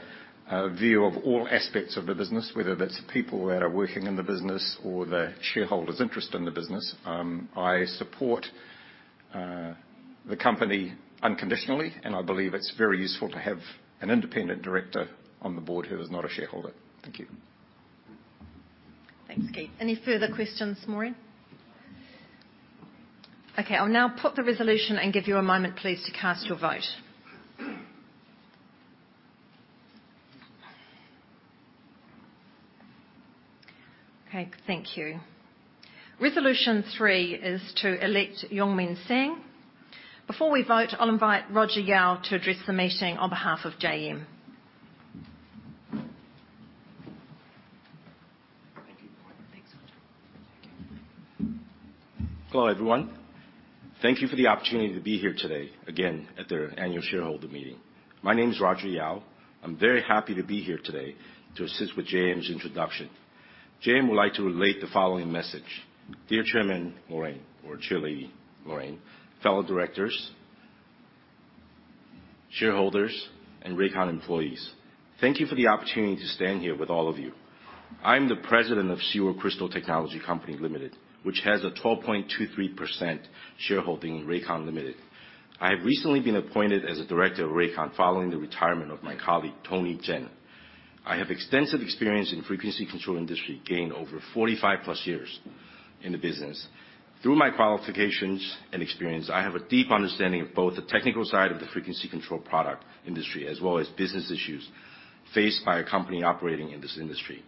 view of all aspects of the business, whether that's the people that are working in the business or the shareholders' interest in the business. I support the company unconditionally. I believe it's very useful to have an independent director on the board who is not a shareholder. Thank you. Thanks, Keith. Any further questions, Maureen? Okay, I'll now put the resolution and give you a moment, please, to cast your vote. Okay, thank you. Resolution three is to elect Yong Min Tseng. Before we vote, I'll invite Roger Yao to address the meeting on behalf of J.M. Thank you. Thanks, Roger. Thank you. Hello, everyone. Thank you for the opportunity to be here today again at the annual shareholder meeting. My name is Roger Yao. I'm very happy to be here today to assist with J.M.'s introduction. J.M. would like to relate the following message: "Dear Chairman Maureen, or Chairlady Maureen, fellow directors, shareholders and Rakon employees, thank you for the opportunity to stand here with all of you. I'm the president of Siward Crystal Technology Company Limited, which has a 12.23% shareholding in Rakon Limited. I have recently been appointed as a director of Rakon, following the retirement of my colleague, Tony Tseng. I have extensive experience in the frequency control industry, gained over 45+ years in the business. Through my qualifications and experience, I have a deep understanding of both the technical side of the frequency control product industry as well as business issues faced by a company operating in this industry.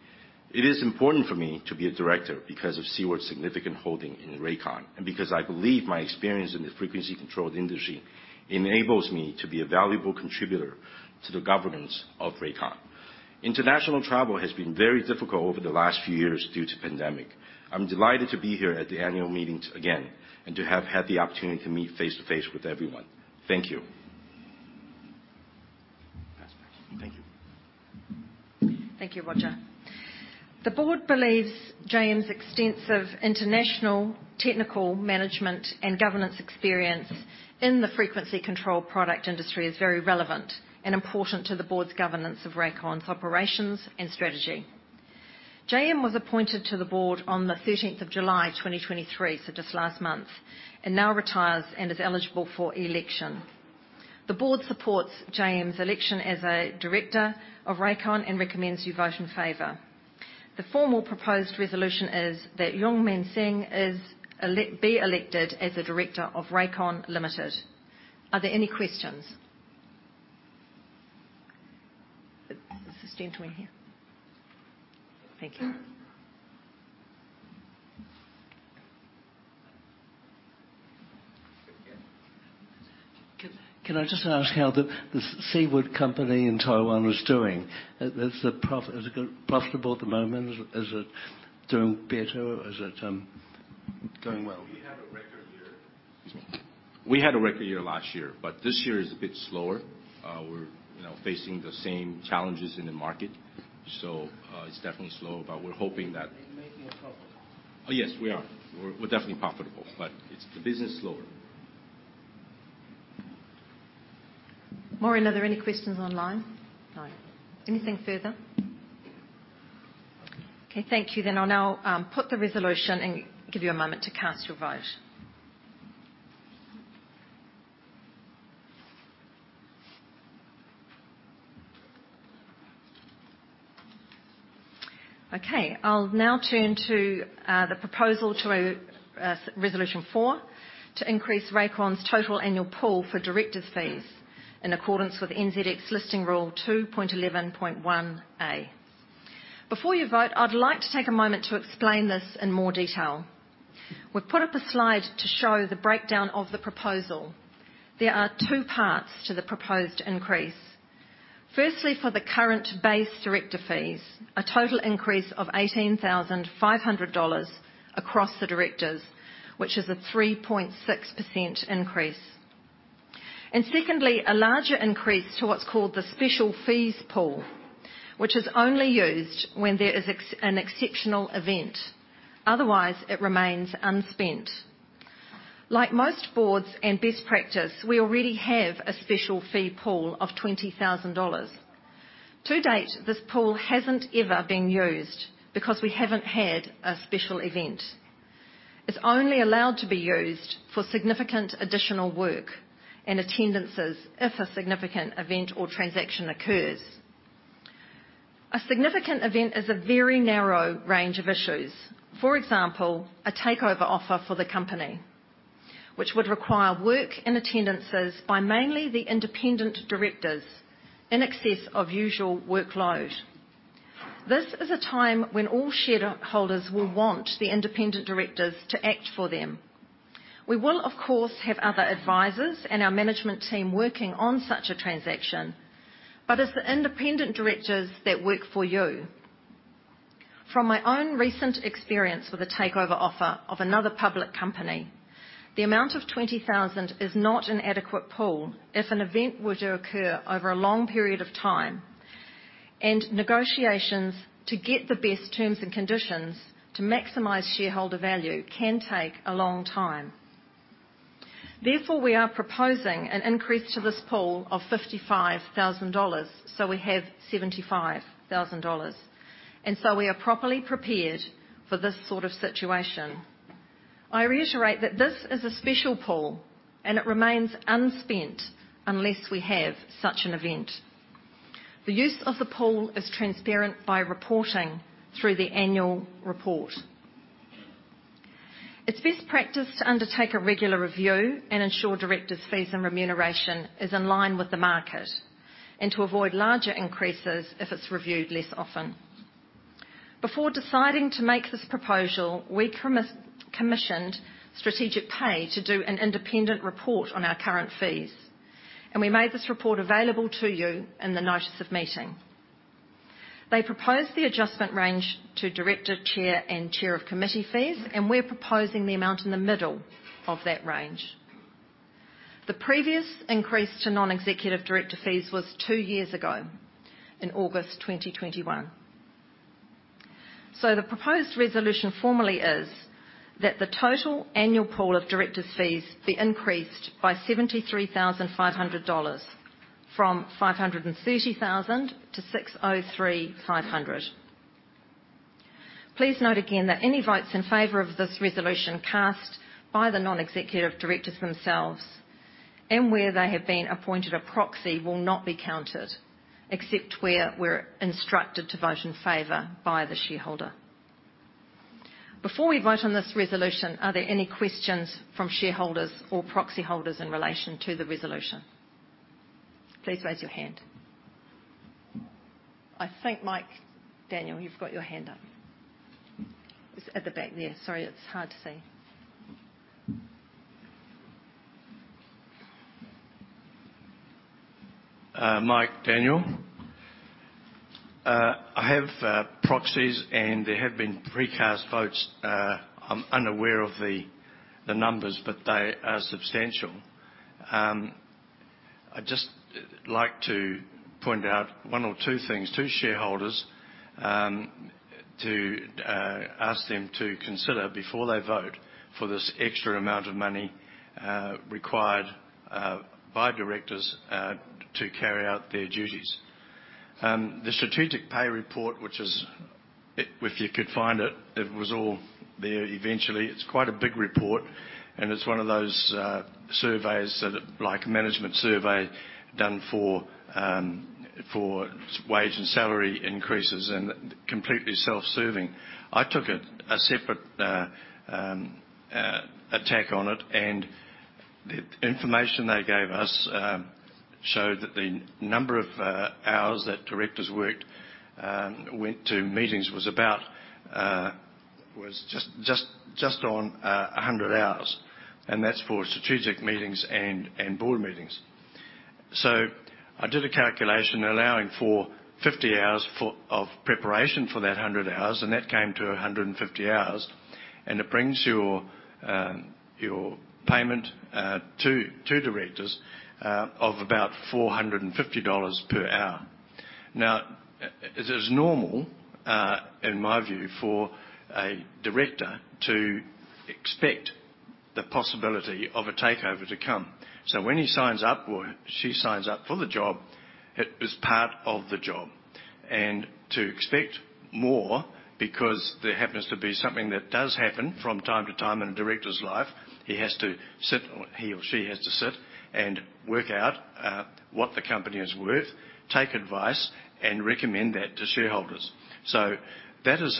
It is important for me to be a director because of Siward's significant holding in Rakon, and because I believe my experience in the frequency control industry enables me to be a valuable contributor to the governance of Rakon. International travel has been very difficult over the last few years due to pandemic. I'm delighted to be here at the annual meetings again, and to have had the opportunity to meet face-to-face with everyone. Thank you." Thank you. Thank you, Roger. The board believes J.M.'s extensive international technical management and governance experience in the frequency control product industry is very relevant and important to the board's governance of Rakon's operations and strategy. J.M was appointed to the board on the 13th of July, 2023, so just last month, and now retires and is eligible for election. The board supports J.M.'s election as a director of Rakon and recommends you vote in favor. The formal proposed resolution is that Yong Min Tseng be elected as a director of Rakon Limited. Are there any questions? This gentleman here. Thank you. Can, can I just ask how the, the Siward Company in Taiwan is doing? Is it profitable at the moment? Is it, is it doing better? Is it doing well? We had a record year. Excuse me. We had a record year last year. This year is a bit slower. We're, you know, facing the same challenges in the market. It's definitely slow, but we're hoping that- You're making a profit? Oh, yes, we are. We're definitely profitable, but it's... The business is slower. Maureen, are there any questions online? No. Anything further? Okay, thank you. I'll now put the resolution and give you a moment to cast your vote. Okay, I'll now turn to the proposal to resolution 4, to increase Rakon's total annual pool for directors' fees in accordance with NZX Listing Rule 2.11.1(a). Before you vote, I'd like to take a moment to explain this in more detail. We've put up a slide to show the breakdown of the proposal. There are two parts to the proposed increase. Firstly, for the current base director fees, a total increase of 18,500 dollars across the directors, which is a 3.6% increase. Secondly, a larger increase to what's called the special fees pool, which is only used when there is an exceptional event. Otherwise, it remains unspent. Like most boards and best practice, we already have a special fee pool of 20,000 dollars. To date, this pool hasn't ever been used because we haven't had a special event. It's only allowed to be used for significant additional work and attendances if a significant event or transaction occurs. A significant event is a very narrow range of issues. For example, a takeover offer for the company. which would require work and attendances by mainly the independent directors in excess of usual workload. This is a time when all shareholders will want the independent directors to act for them. We will, of course, have other advisors and our management team working on such a transaction, but it's the independent directors that work for you. From my own recent experience with a takeover offer of another public company, the amount of 20,000 is not an adequate pool if an event were to occur over a long period of time, and negotiations to get the best terms and conditions to maximize shareholder value can take a long time. Therefore, we are proposing an increase to this pool of 55,000 dollars, so we have 75,000 dollars, and so we are properly prepared for this sort of situation. I reiterate that this is a special pool, and it remains unspent unless we have such an event. The use of the pool is transparent by reporting through the annual report. It's best practice to undertake a regular review and ensure directors' fees and remuneration is in line with the market, and to avoid larger increases if it's reviewed less often. Before deciding to make this proposal, we commissioned Strategic Pay to do an independent report on our current fees. We made this report available to you in the notice of meeting. They proposed the adjustment range to director, chair, and chair of committee fees. We're proposing the amount in the middle of that range. The previous increase to non-executive director fees was two-years ago, in August 2021. The proposed resolution formally is that the total annual pool of directors' fees be increased by 73,500 dollars, from 530,000 to 603,500. Please note again that any votes in favor of this resolution cast by the non-executive directors themselves, and where they have been appointed a proxy, will not be counted, except where we're instructed to vote in favor by the shareholder. Before we vote on this resolution, are there any questions from shareholders or proxy holders in relation to the resolution? Please raise your hand. I think Mike Daniel, you've got your hand up. It's at the back there. Sorry, it's hard to see. Mike Daniel. I have proxies, and there have been pre-cast votes. I'm unaware of the numbers, but they are substantial. I'd just like to point out one or two things to shareholders, to ask them to consider before they vote for this extra amount of money, required by directors, to carry out their duties. The Strategic Pay report, which is it. If you could find it, it was all there eventually. It's quite a big report, and it's one of those surveys that, like, management survey done for wage and salary increases and completely self-serving. I took it a separate attack on it. The information they gave us showed that the number of hours that directors worked, went to meetings was about, was just, just, just on 100 hours, and that's for strategic meetings and board meetings. I did a calculation allowing for 50 hours for, of preparation for that 100 hours, and that came to 150 hours, and it brings your payment to directors of about 450 dollars per hour. It is normal, in my view, for a director to expect the possibility of a takeover to come. When he signs up or she signs up for the job, it is part of the job. To expect more, because there happens to be something that does happen from time to time in a director's life, he has to sit, or he or she has to sit and work out what the company is worth, take advice, and recommend that to shareholders. That is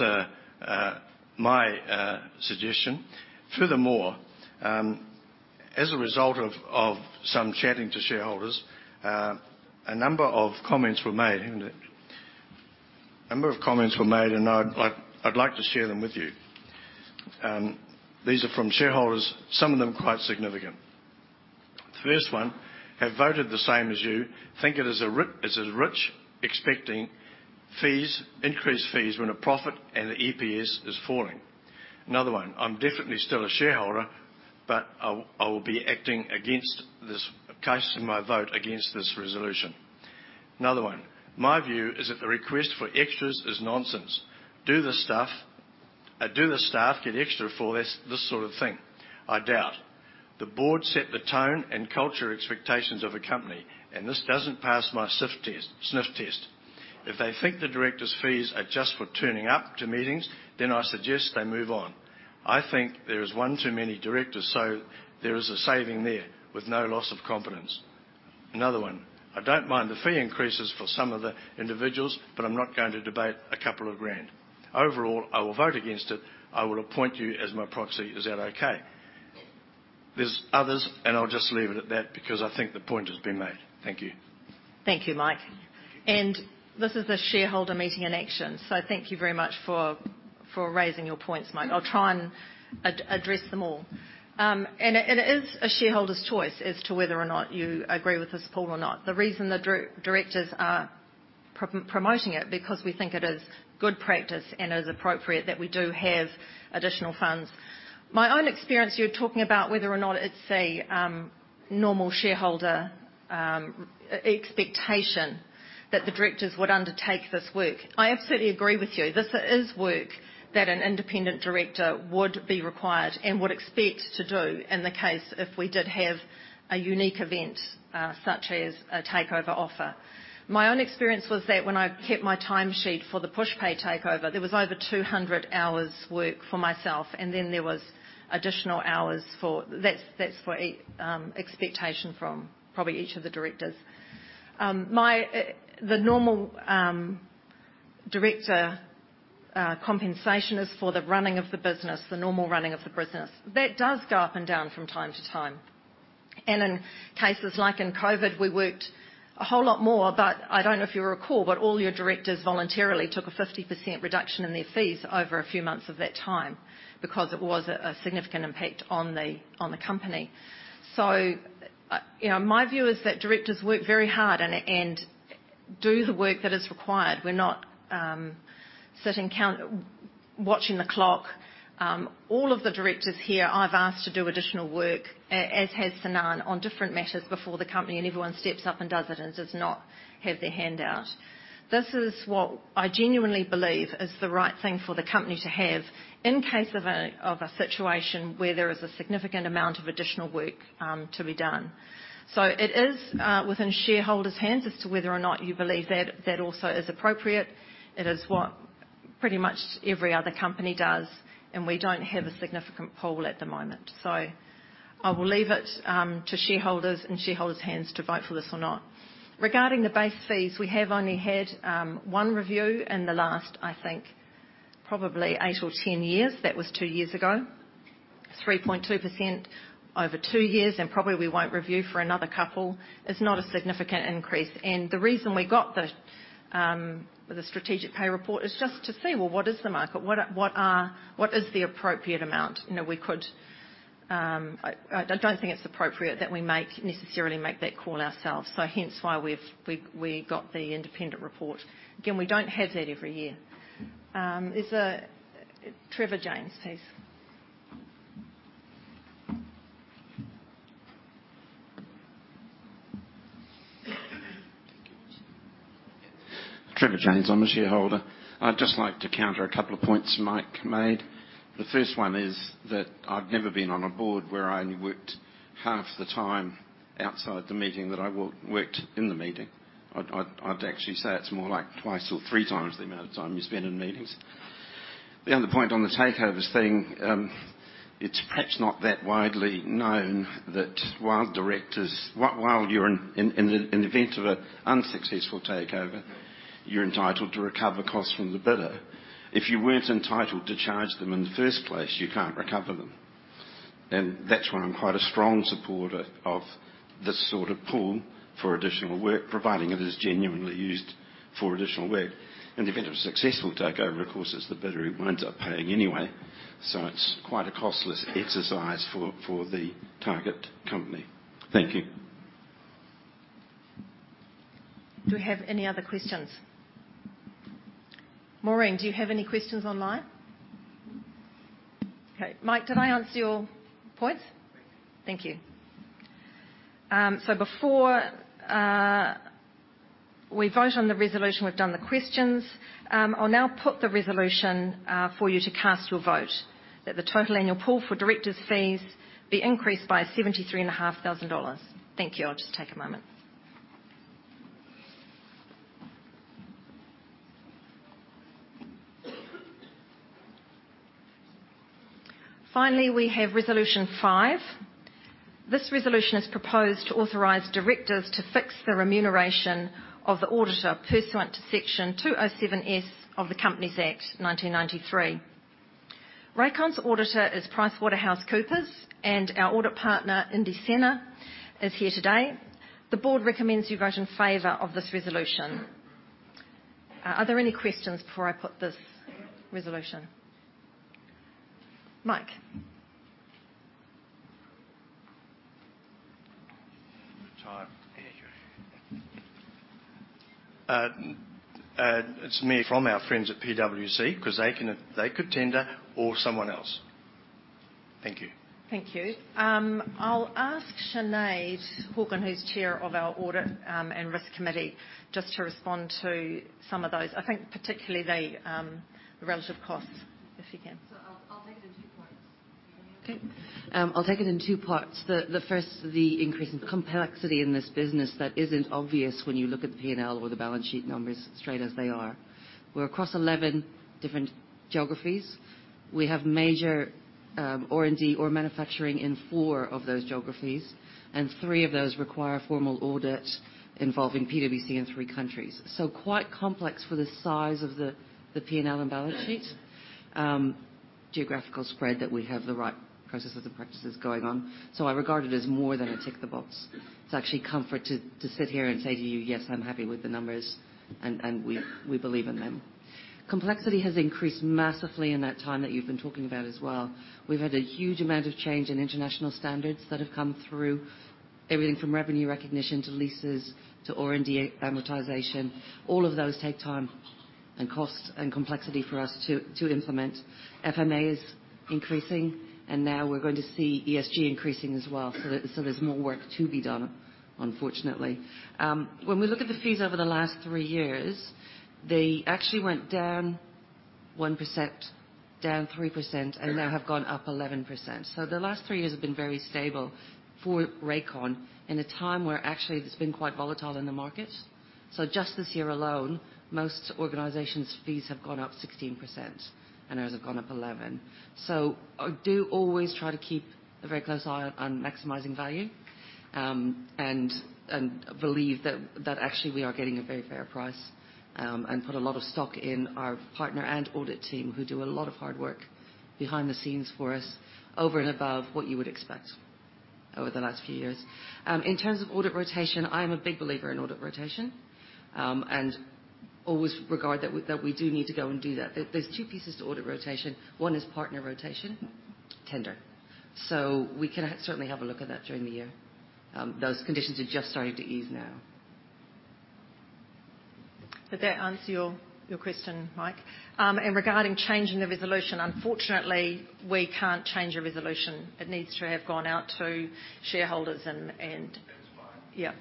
my suggestion. Furthermore, as a result of some chatting to shareholders, a number of comments were made, isn't it? A number of comments were made, and I'd like, I'd like to share them with you. These are from shareholders, some of them quite significant. The first one: "Have voted the same as you. Think it is rich expecting fees, increased fees, when a profit and the EPS is falling." Another one: "I will be acting against this, casting my vote against this resolution." Another one: "My view is that the request for extras is nonsense. Do the stuff, do the staff get extra for this, this sort of thing? I doubt. The board set the tone and culture expectations of a company, and this doesn't pass my sniff test, sniff test. If they think the directors' fees are just for turning up to meetings, then I suggest they move on. I think there is one too many directors, so there is a saving there with no loss of competence. Another one: "I don't mind the fee increases for some of the individuals, but I'm not going to debate NZD 2,000. Overall, I will vote against it. I will appoint you as my proxy. Is that okay?" There's others, and I'll just leave it at that because I think the point has been made. Thank you. Thank you, Mike. This is a shareholder meeting in action, so thank you very much for, for raising your points, Mike. I'll try and address them all. It is a shareholder's choice as to whether or not you agree with this pool or not. The reason the directors are promoting it, because we think it is good practice and is appropriate that we do have additional funds. My own experience, you're talking about whether or not it's a normal shareholder expectation that the directors would undertake this work. I absolutely agree with you. This is work that an independent director would be required and would expect to do in the case if we did have a unique event, such as a takeover offer. My own experience was that when I kept my time sheet for the Pushpay takeover, there was over 200 hours work for myself, and then there was additional hours for. That's, that's for expectation from probably each of the directors. My, the normal director compensation is for the running of the business, the normal running of the business. That does go up and down from time to time. In cases like in COVID, we worked a whole lot more, but I don't know if you recall, but all your directors voluntarily took a 50% reduction in their fees over a few months of that time because it was a, a significant impact on the, on the company. You know, my view is that directors work very hard and, and do the work that is required. We're not sitting watching the clock. All of the directors here, I've asked to do additional work, as has Sinan, on different matters before the company, and everyone steps up and does it and does not have their hand out. This is what I genuinely believe is the right thing for the company to have in case of a situation where there is a significant amount of additional work to be done. It is within shareholders' hands as to whether or not you believe that that also is appropriate. It is what pretty much every other company does, and we don't have a significant pool at the moment. I will leave it to shareholders, in shareholders' hands to vote for this or not. Regarding the base fees, we have only had one review in the last, I think, probably eight or 10 years. That was two years ago, 3.2% over two-years. Probably we won't review for another couple. It's not a significant increase. The reason we got the the Strategic Pay report is just to see, well, what is the market? What is the appropriate amount? You know, we could. I don't think it's appropriate that we make, necessarily make that call ourselves, so hence why we've, we, we got the independent report. Again, we don't have that every year. Is there Trevor James, please? Trevor James. I'm a shareholder. I'd just like to counter a couple of points Mike made. The first one is that I've never been on a board where I only worked half the time outside the meeting, that I worked in the meeting. I'd actually say it's more like twice or 3 times the amount of time you spend in meetings. The other point on the takeovers thing, it's perhaps not that widely known that while directors, while you're in event of an unsuccessful takeover, you're entitled to recover costs from the bidder. If you weren't entitled to charge them in the first place, you can't recover them. That's why I'm quite a strong supporter of this sort of pool for additional work, providing it is genuinely used for additional work. In the event of a successful takeover, of course, it's the bidder who winds up paying anyway, so it's quite a costless exercise for, for the target company. Thank you. Do we have any other questions? Maureen, do you have any questions online? Okay, Mike, did I answer your points? Thank you. Thank you. Before we vote on the resolution, we've done the questions. I'll now put the resolution for you to cast your vote that the total annual pool for directors' fees be increased by $73,500. Thank you. I'll just take a moment. Finally, we have resolution 5. This resolution is proposed to authorize directors to fix the remuneration of the auditor pursuant to Section 207S of the Companies Act 1993. Rakon's auditor is PricewaterhouseCoopers, and our audit partner, Indy Sena, is here today. The board recommends you vote in favor of this resolution. Are there any questions before I put this resolution? Mike. Good time. There you go. It's me from our friends at PwC, 'cause they can, they could tender or someone else. Thank you. Thank you. I'll ask Sinead Horgan, who's Chair of our Audit and Risk Committee, just to respond to some of those. I think particularly the, the relative costs, if you can. I'll, I'll take it in two points. Okay. I'll take it in two parts. The, the first, the increase in complexity in this business that isn't obvious when you look at the P&L or the balance sheet numbers straight as they are. We're across 11 different geographies. We have major- R&D or manufacturing in four of those geographies, and three of those require formal audit involving PwC in three countries. Quite complex for the size of the P&L and balance sheet. Geographical spread, that we have the right processes and practices going on. I regard it as more than a tick the box. It's actually comfort to, to sit here and say to you: "Yes, I'm happy with the numbers, and we believe in them." Complexity has increased massively in that time that you've been talking about as well. We've had a huge amount of change in international standards that have come through, everything from revenue recognition to leases to R&D amortization. All of those take time and cost and complexity for us to, to implement. FMA is increasing, and now we're going to see ESG increasing as well. There, so there's more work to be done, unfortunately. When we look at the fees over the last three-years, they actually went down 1%, down 3%, and now have gone up 11%. The last three-years have been very stable for Rakon in a time where actually it's been quite volatile in the market. Just this year alone, most organizations' fees have gone up 16%, and ours have gone up 11%. I do always try to keep a very close eye on maximizing value, and, and believe that, that actually we are getting a very fair price, and put a lot of stock in our partner and audit team, who do a lot of hard work behind the scenes for us, over and above what you would expect over the last few years. In terms of audit rotation, I'm a big believer in audit rotation, and always regard that we, that we do need to go and do that. There, there's two pieces to audit rotation. One is partner rotation, tender. We can certainly have a look at that during the year. Those conditions are just starting to ease now. Did that answer your, your question, Mike? Regarding changing the resolution, unfortunately, we can't change a resolution. It needs to have gone out to shareholders. That's fine. Yeah.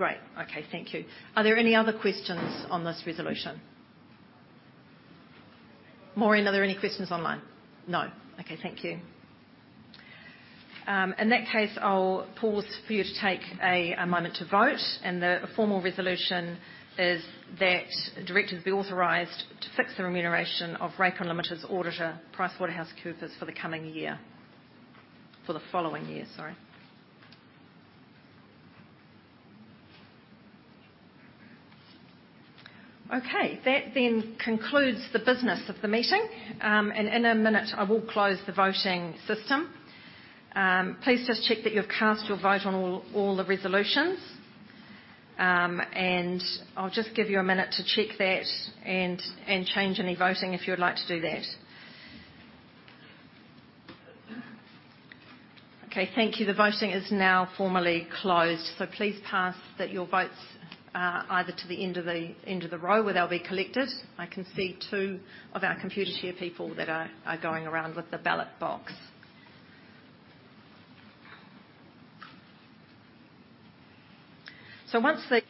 Great. Thank you. Are there any other questions on this resolution? Maureen, are there any questions online? No. Thank you. In that case, I'll pause for you to take a moment to vote, and the formal resolution is that directors be authorized to fix the remuneration of Rakon Limited's auditor, PricewaterhouseCoopers, for the coming year. For the following year, sorry. That then concludes the business of the meeting. In a minute, I will close the voting system. Please just check that you've cast your vote on all the resolutions. I'll just give you a minute to check that and change any voting, if you would like to do that. Thank you. Please pass that your votes either to the end of the row, where they'll be collected. I can see two of our Computershare people that are going around with the ballot box. Once they,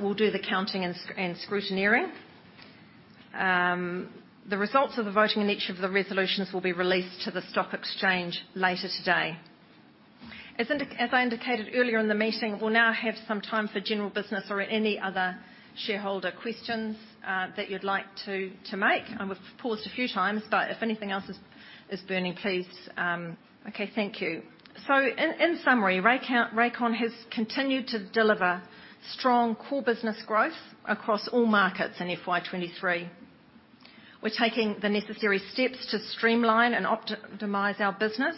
we'll do the counting and scrutineering. The results of the voting in each of the resolutions will be released to the stock exchange later today. As I indicated earlier in the meeting, we'll now have some time for general business or any other shareholder questions that you'd like to make. We've paused a few times, but if anything else is burning, please. Okay, thank you. In summary, Rakon has continued to deliver strong core business growth across all markets in FY2023. We're taking the necessary steps to streamline and optimize our business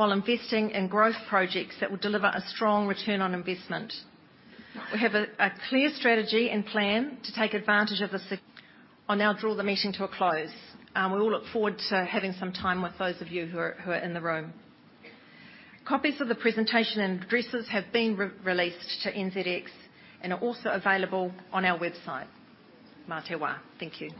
while investing in growth projects that will deliver a strong return on investment. We have a, a clear strategy and plan to take advantage of the si- I'll now draw the meeting to a close. We all look forward to having some time with those of you who are, who are in the room. Copies of the presentation and addresses have been re-released to NZX and are also available on our website. Mā te wā. Thank you.